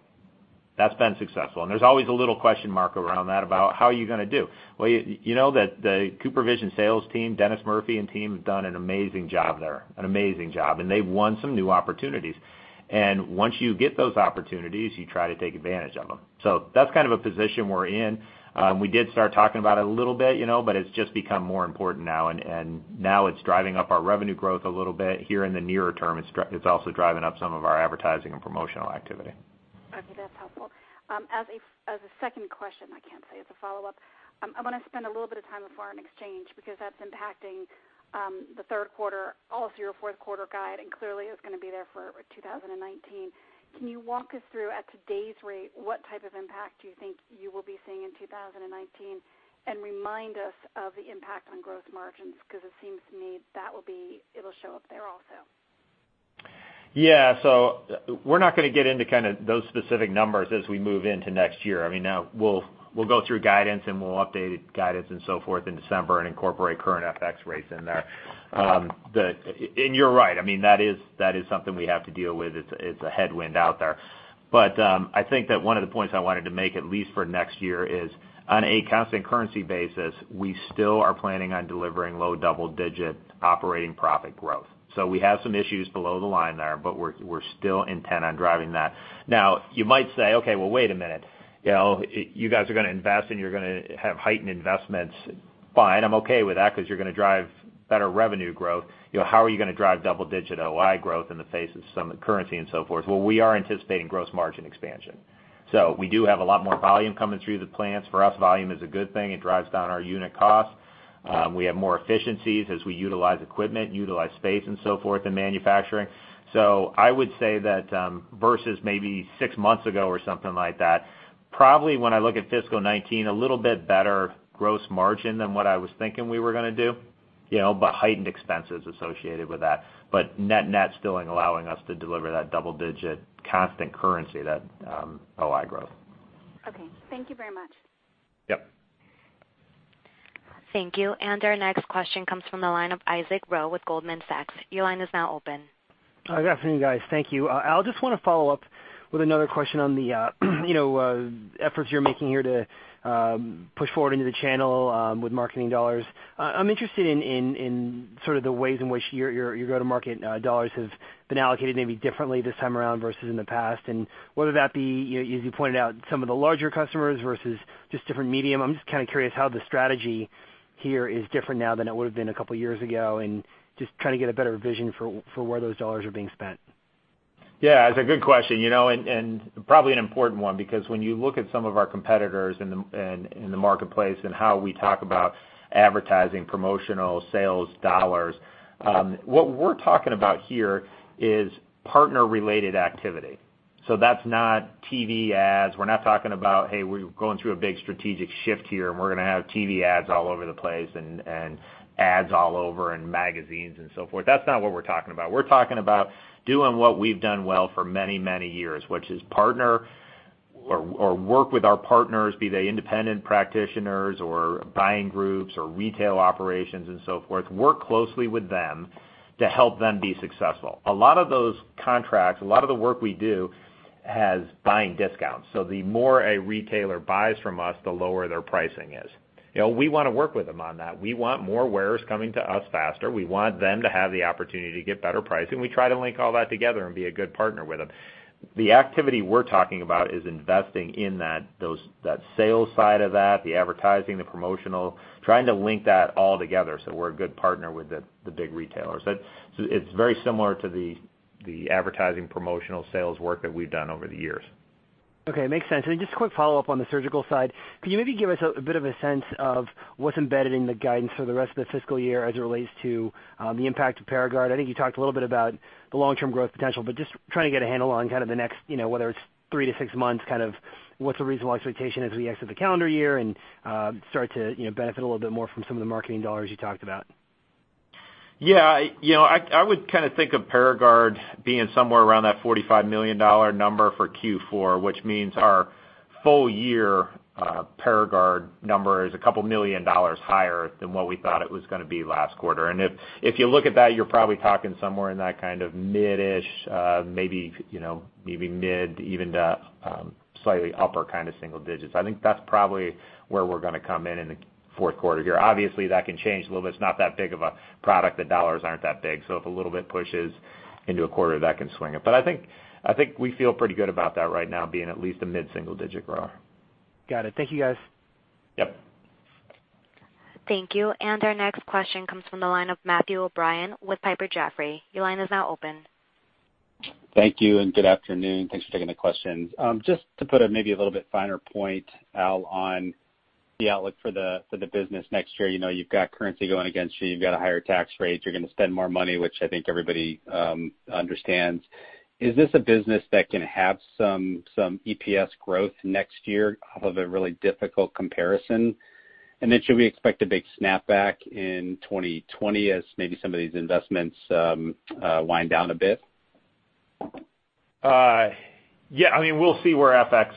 That's been successful, there's always a little question mark around that about how are you going to do? Well, you know that the CooperVision sales team, Dennis Murphy and team, have done an amazing job there, an amazing job. They've won some new opportunities. Once you get those opportunities, you try to take advantage of them. That's kind of a position we're in. We did start talking about it a little bit. It's just become more important now. Now it's driving up our revenue growth a little bit here in the nearer term. It's also driving up some of our advertising and promotional activity. Okay, that's helpful. As a second question, I can't say it's a follow-up. I want to spend a little bit of time on foreign exchange because that's impacting the third quarter, all through your fourth quarter guide. Clearly is going to be there for 2019. Can you walk us through at today's rate, what type of impact do you think you will be seeing in 2019? Remind us of the impact on gross margins, because it seems to me it'll show up there also. Yeah. We're not going to get into kind of those specific numbers as we move into next year. We'll go through guidance. We'll update guidance and so forth in December, incorporate current FX rates in there. You're right, that is something we have to deal with. It's a headwind out there. I think that one of the points I wanted to make, at least for next year, is on a constant currency basis, we still are planning on delivering low double-digit operating profit growth. We have some issues below the line there. We're still intent on driving that. You might say, "Okay, well, wait a minute. You guys are going to invest. You're going to have heightened investments. Fine, I'm okay with that because you're going to drive better revenue growth. How are you going to drive double-digit OI growth in the face of some currency and so forth?" Well, we are anticipating gross margin expansion. We do have a lot more volume coming through the plants. For us, volume is a good thing. It drives down our unit cost. We have more efficiencies as we utilize equipment, utilize space, and so forth in manufacturing. I would say that versus maybe six months ago or something like that, probably when I look at fiscal 2019, a little bit better gross margin than what I was thinking we were going to do. Heightened expenses associated with that. Net still allowing us to deliver that double-digit constant currency, that OI growth. Okay. Thank you very much. Yep. Thank you. Our next question comes from the line of Isaac Ro with Goldman Sachs. Your line is now open. Good afternoon, guys. Thank you. Al, just want to follow up with another question on the efforts you're making here to push forward into the channel with marketing dollars. I'm interested in sort of the ways in which your go-to-market dollars have been allocated maybe differently this time around versus in the past, and whether that be, as you pointed out, some of the larger customers versus just different medium. I'm just kind of curious how the strategy here is different now than it would've been a couple of years ago and just trying to get a better vision for where those dollars are being spent. Yeah, it's a good question, and probably an important one because when you look at some of our competitors in the marketplace and how we talk about advertising, promotional sales dollars, what we're talking about here is partner-related activity. That's not TV ads. We're not talking about, "Hey, we're going through a big strategic shift here, and we're going to have TV ads all over the place and ads all over in magazines and so forth." That's not what we're talking about. We're talking about doing what we've done well for many, many years, which is partner or work with our partners, be they independent practitioners or buying groups or retail operations and so forth, work closely with them to help them be successful. A lot of those contracts, a lot of the work we do has buying discounts. the more a retailer buys from us, the lower their pricing is. We want to work with them on that. We want more wearers coming to us faster. We want them to have the opportunity to get better pricing. We try to link all that together and be a good partner with them. The activity we're talking about is investing in that sales side of that, the advertising, the promotional, trying to link that all together so we're a good partner with the big retailers. It's very similar to the advertising promotional sales work that we've done over the years. Okay. Makes sense. Just a quick follow-up on the surgical side. Could you maybe give us a bit of a sense of what's embedded in the guidance for the rest of the fiscal year as it relates to the impact of ParaGard? I think you talked a little bit about the long-term growth potential, but just trying to get a handle on kind of the next, whether it's three to six months, kind of what's a reasonable expectation as we exit the calendar year and start to benefit a little bit more from some of the marketing dollars you talked about. Yeah. I would kind of think of ParaGard being somewhere around that $45 million number for Q4, which means our full year ParaGard number is a couple million dollars higher than what we thought it was going to be last quarter. If you look at that, you're probably talking somewhere in that kind of mid-ish, maybe mid to even to slightly upper kind of single digits. I think that's probably where we're going to come in in the fourth quarter here. Obviously, that can change a little bit. It's not that big of a product. The dollars aren't that big. If a little bit pushes into a quarter, that can swing it. I think we feel pretty good about that right now being at least a mid-single-digit grower. Got it. Thank you, guys. Yep. Thank you. Our next question comes from the line of Matthew O'Brien with Piper Jaffray. Your line is now open. Thank you, and good afternoon. Thanks for taking the questions. Just to put a maybe a little bit finer point, Al, on the outlook for the business next year. You've got currency going against you've got a higher tax rate, you're going to spend more money, which I think everybody understands. Is this a business that can have some EPS growth next year off of a really difficult comparison? Should we expect a big snapback in 2020 as maybe some of these investments wind down a bit? Yeah, we'll see where FX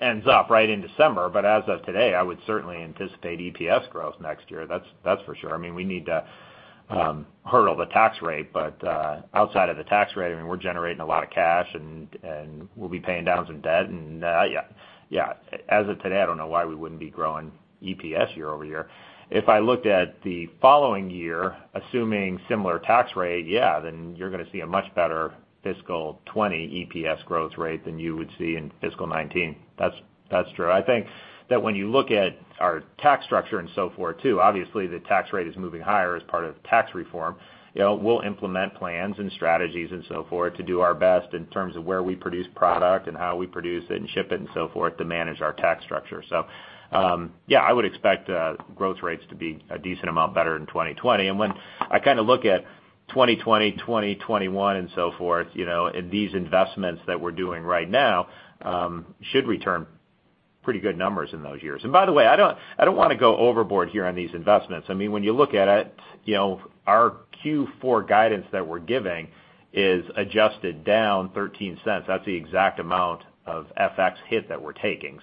ends up in December. But as of today, I would certainly anticipate EPS growth next year, that's for sure. We need to hurdle the tax rate, but outside of the tax rate, we're generating a lot of cash, and we'll be paying down some debt. Yeah. As of today, I don't know why we wouldn't be growing EPS year-over-year. If I looked at the following year, assuming similar tax rate, yeah, then you're going to see a much better fiscal 2020 EPS growth rate than you would see in fiscal 2019. That's true. I think that when you look at our tax structure and so forth too, obviously the tax rate is moving higher as part of tax reform. We'll implement plans and strategies and so forth to do our best in terms of where we produce product and how we produce it and ship it and so forth to manage our tax structure. Yeah, I would expect growth rates to be a decent amount better in 2020. When I look at 2020, 2021 and so forth, these investments that we're doing right now should return pretty good numbers in those years. By the way, I don't want to go overboard here on these investments. When you look at it, our Q4 guidance that we're giving is adjusted down $0.13. That's the exact amount of FX hit that we're taking.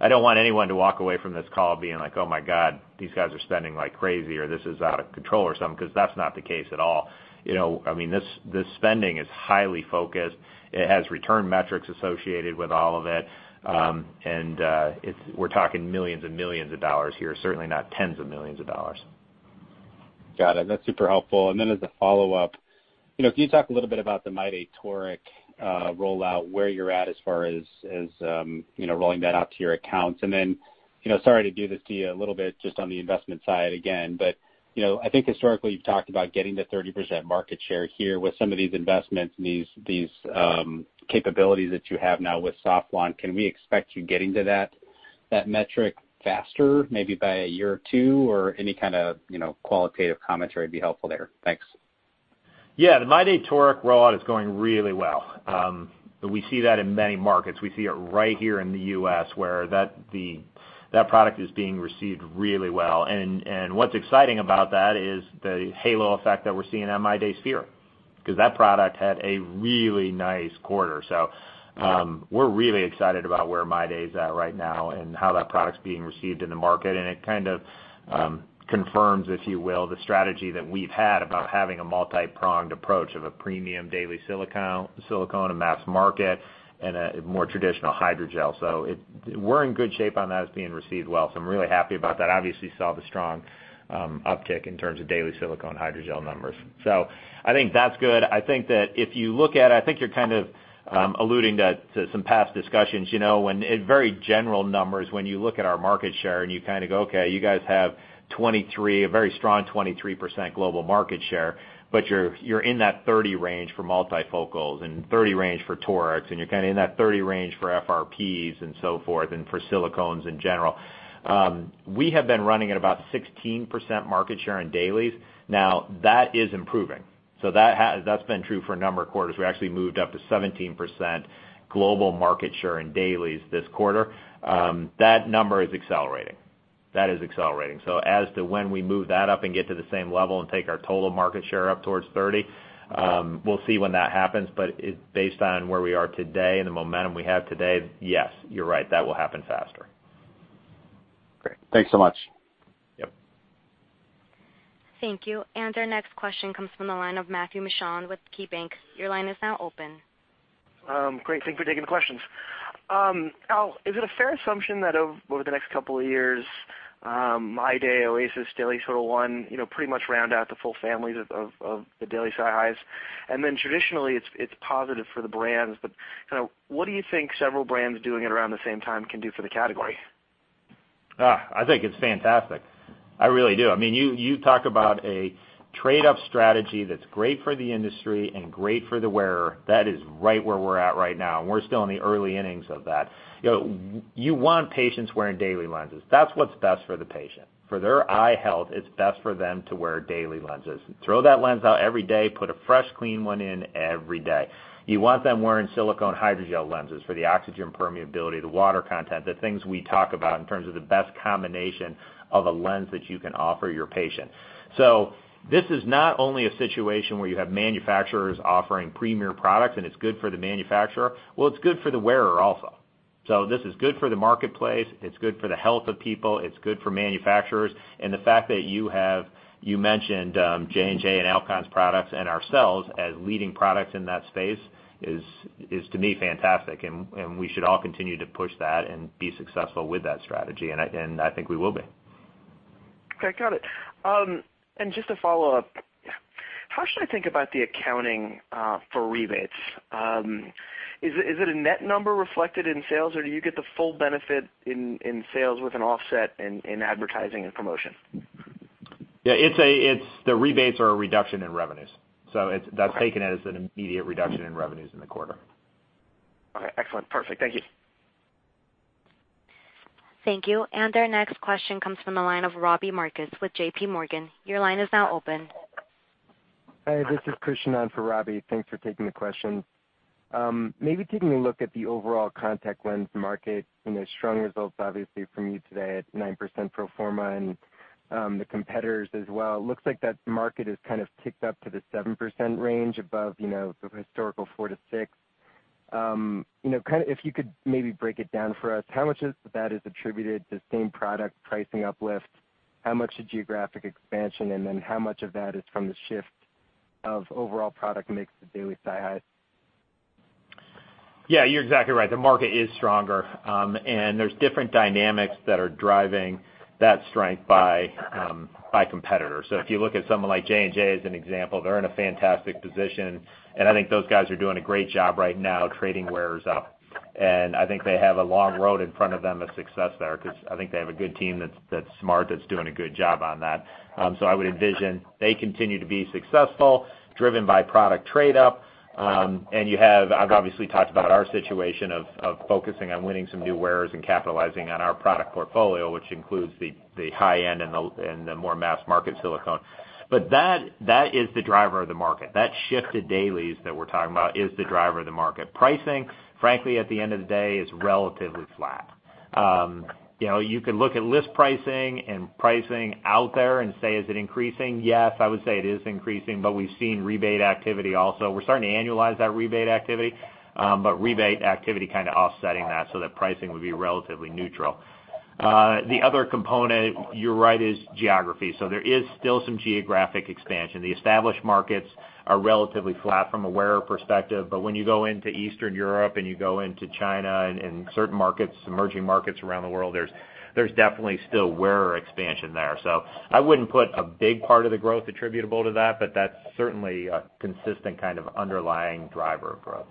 I don't want anyone to walk away from this call being like, "Oh my God, these guys are spending like crazy," or, "This is out of control," or something, because that's not the case at all. This spending is highly focused. It has return metrics associated with all of it. We're talking $ millions and millions here, certainly not $ tens of millions. Got it. That's super helpful. As a follow-up, can you talk a little bit about the MyDay toric rollout, where you're at as far as rolling that out to your accounts? Sorry to do this to you a little bit just on the investment side again, but I think historically you've talked about getting to 30% market share here with some of these investments and these capabilities that you have now with Sauflon. Can we expect you getting to that metric faster, maybe by a year or two, or any kind of qualitative commentary would be helpful there. Thanks. The MyDay toric rollout is going really well. We see that in many markets. We see it right here in the U.S. where that product is being received really well, and what's exciting about that is the halo effect that we're seeing on MyDay sphere, because that product had a really nice quarter. We're really excited about where MyDay's at right now and how that product's being received in the market, and it kind of confirms, if you will, the strategy that we've had about having a multi-pronged approach of a premium daily silicone, a mass market, and a more traditional hydrogel. We're in good shape on that. It's being received well. I'm really happy about that. Obviously saw the strong uptick in terms of daily silicone hydrogel numbers. I think that's good. I think you're kind of alluding to some past discussions. In very general numbers, when you look at our market share and you kind of go, okay, you guys have a very strong 23% global market share, but you're in that 30% range for multifocals, and 30% range for Torics, and you're kind of in that 30% range for FRPs and so forth, and for silicones in general. We have been running at about 16% market share in dailies. That is improving. That's been true for a number of quarters. We actually moved up to 17% global market share in dailies this quarter. That number is accelerating. That is accelerating. As to when we move that up and get to the same level and take our total market share up towards 30%, we'll see when that happens, but based on where we are today and the momentum we have today, yes, you're right, that will happen faster. Great. Thanks so much. Yep. Thank you. Our next question comes from the line of Matthew Mishan with KeyBank. Your line is now open. Great. Thank you for taking the questions. Al, is it a fair assumption that over the next couple of years, MyDay, Acuvue Oasys, Dailies Total1, pretty much round out the full families of the daily SiHy's? Then traditionally, it's positive for the brands, but what do you think several brands doing it around the same time can do for the category? I think it's fantastic. I really do. You talk about a trade-up strategy that's great for the industry and great for the wearer. That is right where we're at right now, and we're still in the early innings of that. You want patients wearing daily lenses. That's what's best for the patient. For their eye health, it's best for them to wear daily lenses. Throw that lens out every day, put a fresh, clean one in every day. You want them wearing silicone hydrogel lenses for the oxygen permeability, the water content, the things we talk about in terms of the best combination of a lens that you can offer your patient. This is not only a situation where you have manufacturers offering premier products and it's good for the manufacturer. Well, it's good for the wearer also. This is good for the marketplace. It's good for the health of people. It's good for manufacturers. The fact that you mentioned J&J and Alcon's products and ourselves as leading products in that space is, to me, fantastic, and we should all continue to push that and be successful with that strategy, and I think we will be. Okay, got it. Just a follow-up. How should I think about the accounting for rebates? Is it a net number reflected in sales, or do you get the full benefit in sales with an offset in advertising and promotion? Yeah. The rebates are a reduction in revenues. Okay. That's taken as an immediate reduction in revenues in the quarter. Okay. Excellent. Perfect. Thank you. Thank you. Our next question comes from the line of Robbie Marcus with J.P. Morgan. Your line is now open. Hi, this is Krishnan for Robbie. Thanks for taking the question. Maybe taking a look at the overall contact lens market, strong results obviously from you today at 9% pro forma and the competitors as well. Looks like that market has kind of ticked up to the 7% range above the historical 4%-6%. If you could maybe break it down for us, how much of that is attributed to same product pricing uplift? How much to geographic expansion, and then how much of that is from the shift of overall product mix to daily SiHy? Yeah, you're exactly right. The market is stronger. There's different dynamics that are driving that strength by competitors. If you look at someone like J&J as an example, they're in a fantastic position, and I think those guys are doing a great job right now trading wearers up. I think they have a long road in front of them of success there, because I think they have a good team that's smart, that's doing a good job on that. I would envision they continue to be successful, driven by product trade-up. I've obviously talked about our situation of focusing on winning some new wearers and capitalizing on our product portfolio, which includes the high-end and the more mass market silicone. That is the driver of the market. That shift to dailies that we're talking about is the driver of the market. Pricing, frankly at the end of the day, is relatively flat. You could look at list pricing and pricing out there and say, is it increasing? Yes, I would say it is increasing, but we've seen rebate activity also. We're starting to annualize that rebate activity, but rebate activity kind of offsetting that so that pricing would be relatively neutral. The other component, you're right, is geography. There is still some geographic expansion. The established markets are relatively flat from a wearer perspective, but when you go into Eastern Europe and you go into China and certain markets, emerging markets around the world, there's definitely still wearer expansion there. I wouldn't put a big part of the growth attributable to that, but that's certainly a consistent kind of underlying driver of growth.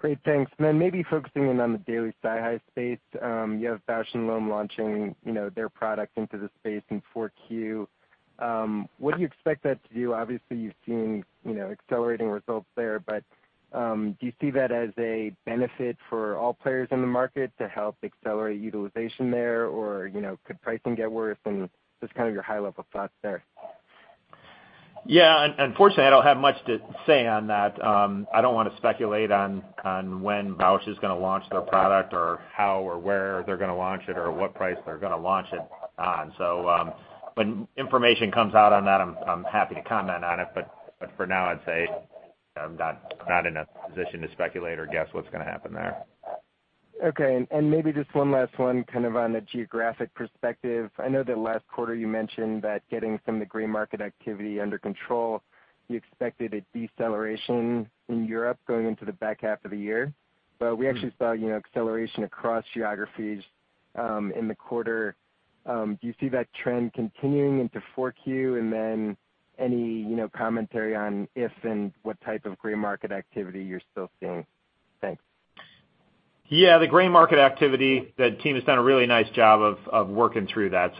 Great. Thanks. Maybe focusing in on the daily SiHy space, you have Bausch & Lomb launching their product into the space in Q4. What do you expect that to do? Obviously, you've seen accelerating results there, but do you see that as a benefit for all players in the market to help accelerate utilization there? Or could pricing get worse? Just kind of your high-level thoughts there. Yeah. Unfortunately, I don't have much to say on that. I don't want to speculate on when Bausch is going to launch their product or how or where they're going to launch it, or what price they're going to launch it on. When information comes out on that, I'm happy to comment on it. For now, I'd say I'm not in a position to speculate or guess what's going to happen there. Okay. Maybe just one last one, kind of on a geographic perspective. I know that last quarter you mentioned that getting some of the gray market activity under control, you expected a deceleration in Europe going into the back half of the year. We actually saw acceleration across geographies in the quarter. Do you see that trend continuing into Q4? Any commentary on if and what type of gray market activity you're still seeing? Thanks. Yeah. The gray market activity, the team has done a really nice job of working through that.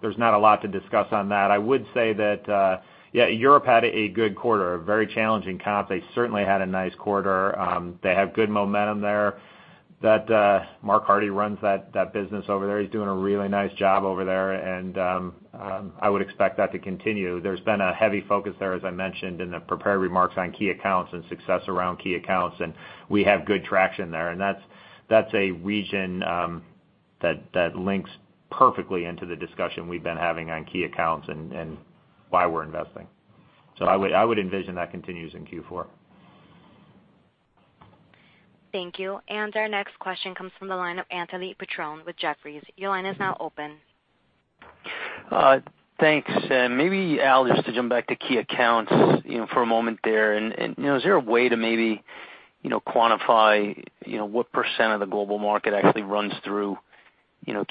There's not a lot to discuss on that. I would say that, yeah, Europe had a good quarter, a very challenging comp. They certainly had a nice quarter. They have good momentum there. Mark Hardy runs that business over there. He's doing a really nice job over there, and I would expect that to continue. There's been a heavy focus there, as I mentioned in the prepared remarks on key accounts and success around key accounts, and we have good traction there. That's a region that links perfectly into the discussion we've been having on key accounts and why we're investing. I would envision that continues in Q4. Thank you. Our next question comes from the line of Anthony Petrone with Jefferies. Your line is now open. Thanks. Maybe, Al, just to jump back to key accounts for a moment there. Is there a way to maybe quantify what % of the global market actually runs through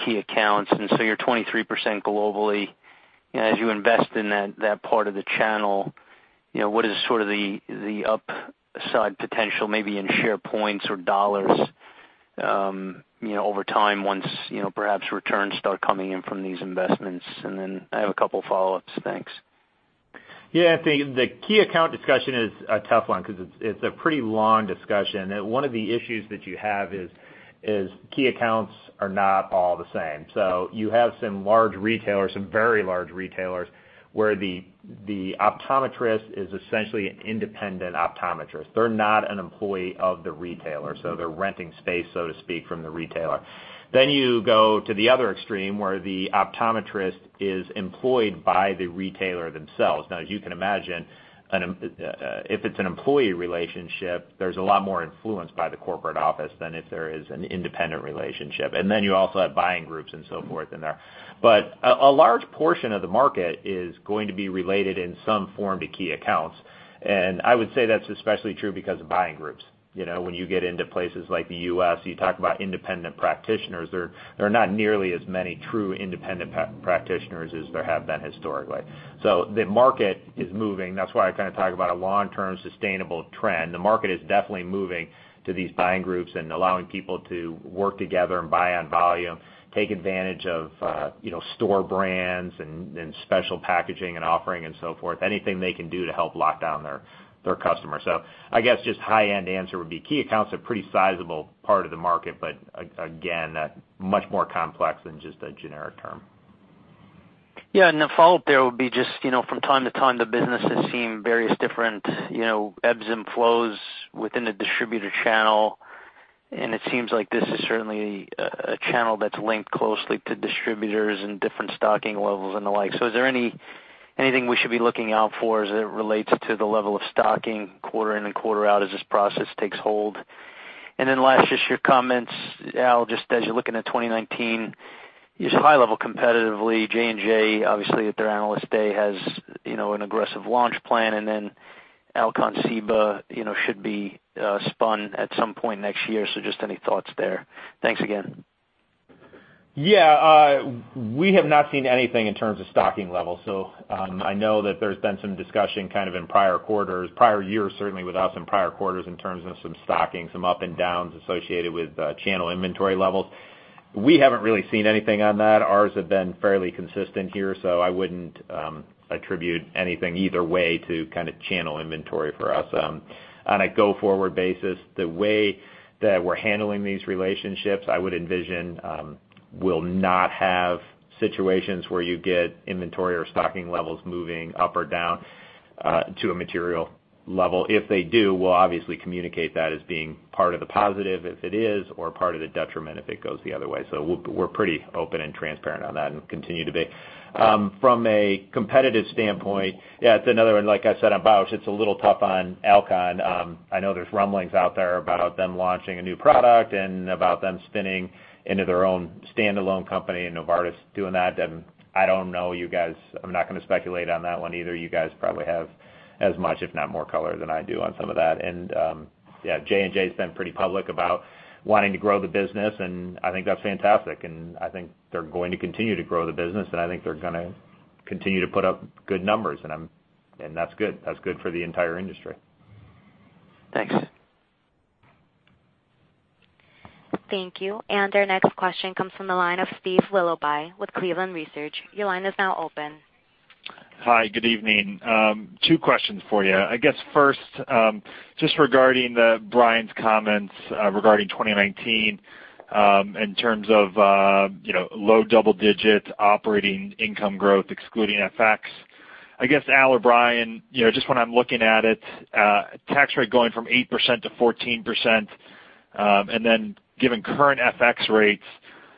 key accounts? You're 23% globally. As you invest in that part of the channel, what is sort of the upside potential maybe in share points or dollars over time once perhaps returns start coming in from these investments? I have a couple of follow-ups. Thanks. Yeah. The key account discussion is a tough one because it's a pretty long discussion. One of the issues that you have is key accounts are not all the same. You have some large retailers, some very large retailers, where the optometrist is essentially an independent optometrist. They're not an employee of the retailer, so they're renting space, so to speak, from the retailer. You go to the other extreme, where the optometrist is employed by the retailer themselves. Now, as you can imagine, if it's an employee relationship, there's a lot more influence by the corporate office than if there is an independent relationship. You also have buying groups and so forth in there. A large portion of the market is going to be related in some form to key accounts. I would say that's especially true because of buying groups. When you get into places like the U.S., you talk about independent practitioners, there are not nearly as many true independent practitioners as there have been historically. The market is moving. That's why I talk about a long-term sustainable trend. The market is definitely moving to these buying groups and allowing people to work together and buy on volume, take advantage of store brands and special packaging and offering and so forth. Anything they can do to help lock down their customer. I guess just high end answer would be key accounts are pretty sizable part of the market, but again, much more complex than just a generic term. Yeah. The follow-up there will be just, from time to time, the businesses seem various different ebbs and flows within the distributor channel, and it seems like this is certainly a channel that's linked closely to distributors and different stocking levels and the like. Is there anything we should be looking out for as it relates to the level of stocking quarter in and quarter out as this process takes hold? Last, just your comments, Al, just as you're looking at 2019, just high level competitively, J&J obviously at their Analyst Day has an aggressive launch plan, and then Alcon CIBA should be spun at some point next year. Just any thoughts there? Thanks again. Yeah. We have not seen anything in terms of stocking levels. I know that there's been some discussion kind of in prior quarters, prior years, certainly with us in prior quarters, in terms of some stocking, some up and downs associated with channel inventory levels. We haven't really seen anything on that. Ours have been fairly consistent here, so I wouldn't attribute anything either way to kind of channel inventory for us. On a go-forward basis, the way that we're handling these relationships, I would envision will not have situations where you get inventory or stocking levels moving up or down to a material level. If they do, we'll obviously communicate that as being part of the positive if it is, or part of the detriment if it goes the other way. We're pretty open and transparent on that and continue to be. From a competitive standpoint, yeah, it's another one, like I said, on Bausch, it's a little tough on Alcon. I know there's rumblings out there about them launching a new product and about them spinning into their own standalone company, and Novartis doing that. I don't know, you guys, I'm not going to speculate on that one either. You guys probably have as much, if not more color than I do on some of that. J&J's been pretty public about wanting to grow the business, and I think that's fantastic, and I think they're going to continue to grow the business, and I think they're going to continue to put up good numbers. That's good. That's good for the entire industry. Thanks. Thank you. Our next question comes from the line of Steve Willoughby with Cleveland Research. Your line is now open. Hi, good evening. Two questions for you. I guess first, just regarding Brian's comments regarding 2019, in terms of low double-digit operating income growth excluding FX. I guess Al or Brian, just when I'm looking at it, tax rate going from 8% to 14%, given current FX rates,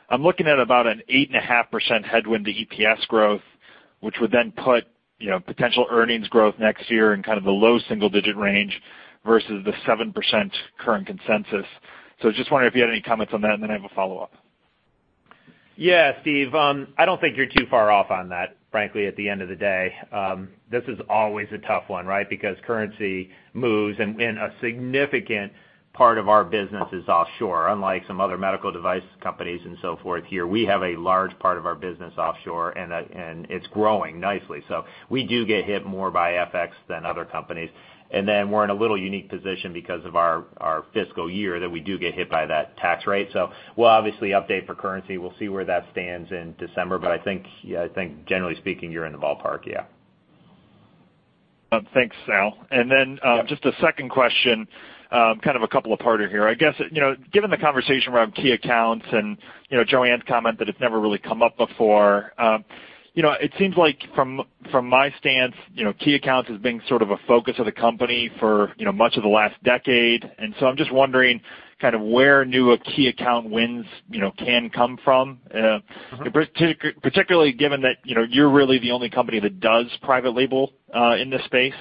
I'm looking at about an 8.5% headwind to EPS growth, which would then put potential earnings growth next year in kind of the low single-digit range versus the 7% current consensus. Just wondering if you had any comments on that, then I have a follow-up. Yeah, Steve. I don't think you're too far off on that, frankly, at the end of the day. This is always a tough one, right? Currency moves and a significant part of our business is offshore, unlike some other medical device companies and so forth here. We have a large part of our business offshore, and it's growing nicely. We do get hit more by FX than other companies. We're in a little unique position because of our fiscal year that we do get hit by that tax rate. We'll obviously update for currency. We'll see where that stands in December. I think generally speaking, you're in the ballpark, yeah. Thanks, Al. Yeah. Just a second question, kind of a couple of parter here. I guess, given the conversation around key accounts and Joanne's comment that it's never really come up before. It seems like from my stance, key accounts as being sort of a focus of the company for much of the last decade, I'm just wondering kind of where new key account wins can come from. Particularly given that you're really the only company that does private label in this space.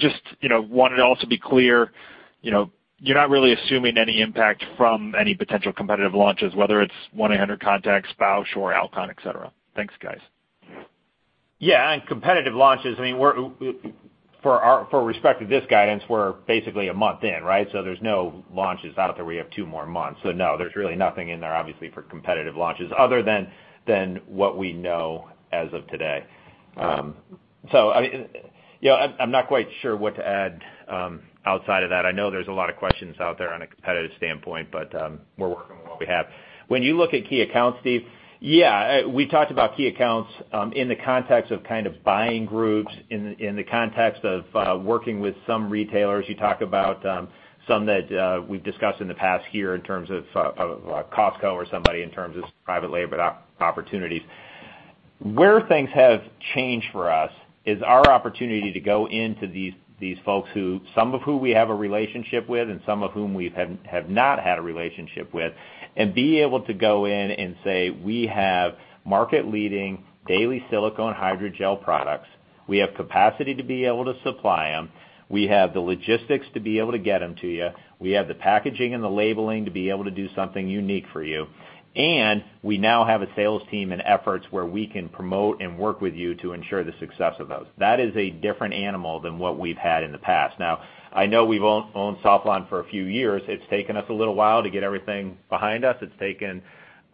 Just wanted also to be clear, you're not really assuming any impact from any potential competitive launches, whether it's 1-800 Contacts, Bausch or Alcon, et cetera. Thanks, guys. Yeah. On competitive launches, for respect to this guidance, we're basically a month in, right? There's no launches out there. We have two more months. No, there's really nothing in there, obviously, for competitive launches other than what we know as of today. I'm not quite sure what to add outside of that. I know there's a lot of questions out there on a competitive standpoint, we're working with what we have. When you look at key accounts, Steve, yeah, we talked about key accounts in the context of kind of buying groups, in the context of working with some retailers. You talk about some that we've discussed in the past here in terms of Costco or somebody in terms of private label opportunities. Where things have changed for us is our opportunity to go into these folks who, some of who we have a relationship with, and some of whom we have not had a relationship with, be able to go in and say, "We have market-leading daily silicone hydrogel products. We have capacity to be able to supply them." We have the logistics to be able to get them to you. We have the packaging and the labeling to be able to do something unique for you. We now have a sales team and efforts where we can promote and work with you to ensure the success of those. That is a different animal than what we've had in the past. Now, I know we've owned Sauflon for a few years. It's taken us a little while to get everything behind us. It's taken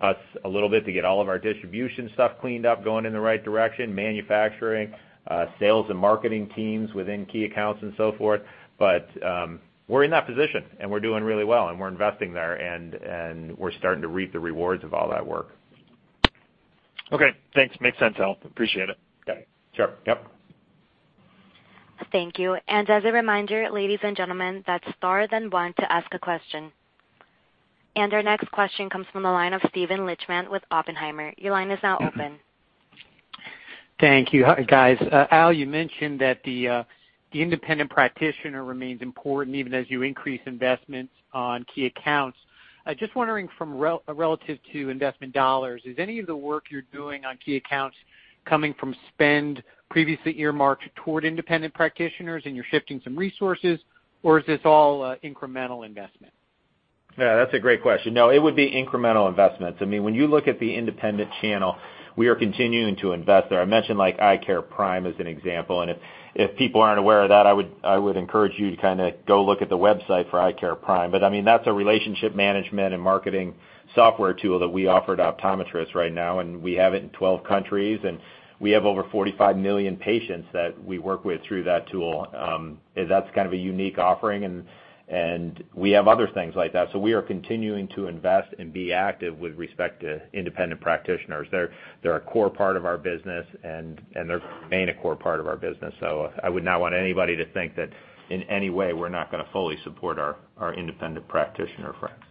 us a little bit to get all of our distribution stuff cleaned up, going in the right direction, manufacturing, sales and marketing teams within key accounts and so forth. We're in that position, and we're doing really well, and we're investing there, and we're starting to reap the rewards of all that work. Okay, thanks. Makes sense, Al. Appreciate it. Okay, sure. Yep. Thank you. As a reminder, ladies and gentlemen, that's star then one to ask a question. Our next question comes from the line of Steven Lichtman with Oppenheimer. Your line is now open. Thank you. Hi, guys. Al, you mentioned that the independent practitioner remains important even as you increase investments on key accounts. Just wondering from relative to investment dollars, is any of the work you're doing on key accounts coming from spend previously earmarked toward independent practitioners and you're shifting some resources, or is this all incremental investment? That's a great question. It would be incremental investments. When you look at the independent channel, we are continuing to invest there. I mentioned EyeCare Prime as an example, and if people aren't aware of that, I would encourage you to go look at the website for EyeCare Prime. That's a relationship management and marketing software tool that we offer to optometrists right now, and we have it in 12 countries, and we have over 45 million patients that we work with through that tool. That's kind of a unique offering, and we have other things like that. We are continuing to invest and be active with respect to independent practitioners. They're a core part of our business, and they're going to remain a core part of our business. I would not want anybody to think that in any way we're not going to fully support our independent practitioner friends.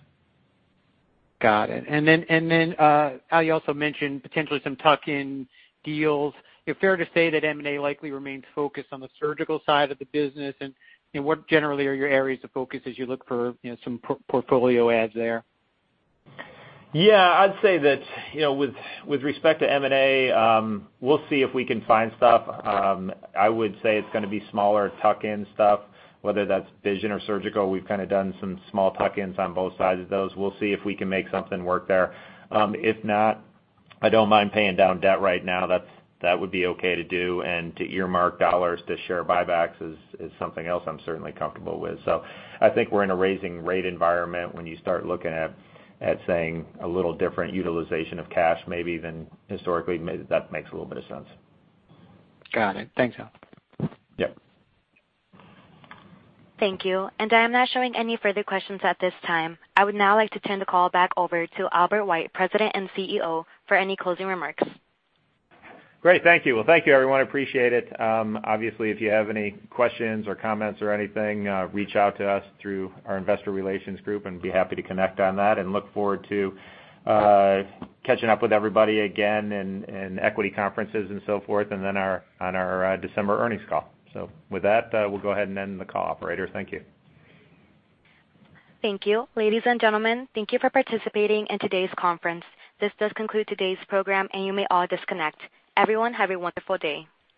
Got it. Al, you also mentioned potentially some tuck-in deals. Fair to say that M&A likely remains focused on the surgical side of the business, and what generally are your areas of focus as you look for some portfolio adds there? Yeah, I'd say that with respect to M&A, we'll see if we can find stuff. I would say it's going to be smaller tuck-in stuff, whether that's vision or surgical. We've kind of done some small tuck-ins on both sides of those. We'll see if we can make something work there. If not, I don't mind paying down debt right now. That would be okay to do and to earmark dollars to share buybacks is something else I'm certainly comfortable with. I think we're in a rising rate environment when you start looking at saying a little different utilization of cash, maybe even historically, that makes a little bit of sense. Got it. Thanks, Al. Yep. Thank you. I am not showing any further questions at this time. I would now like to turn the call back over to Albert White, President and CEO, for any closing remarks. Great, thank you. Well, thank you, everyone. Appreciate it. Obviously, if you have any questions or comments or anything, reach out to us through our investor relations group and be happy to connect on that and look forward to catching up with everybody again in equity conferences and so forth and then on our December earnings call. With that, we'll go ahead and end the call, operator. Thank you. Thank you. Ladies and gentlemen, thank you for participating in today's conference. This does conclude today's program. You may all disconnect. Everyone, have a wonderful day.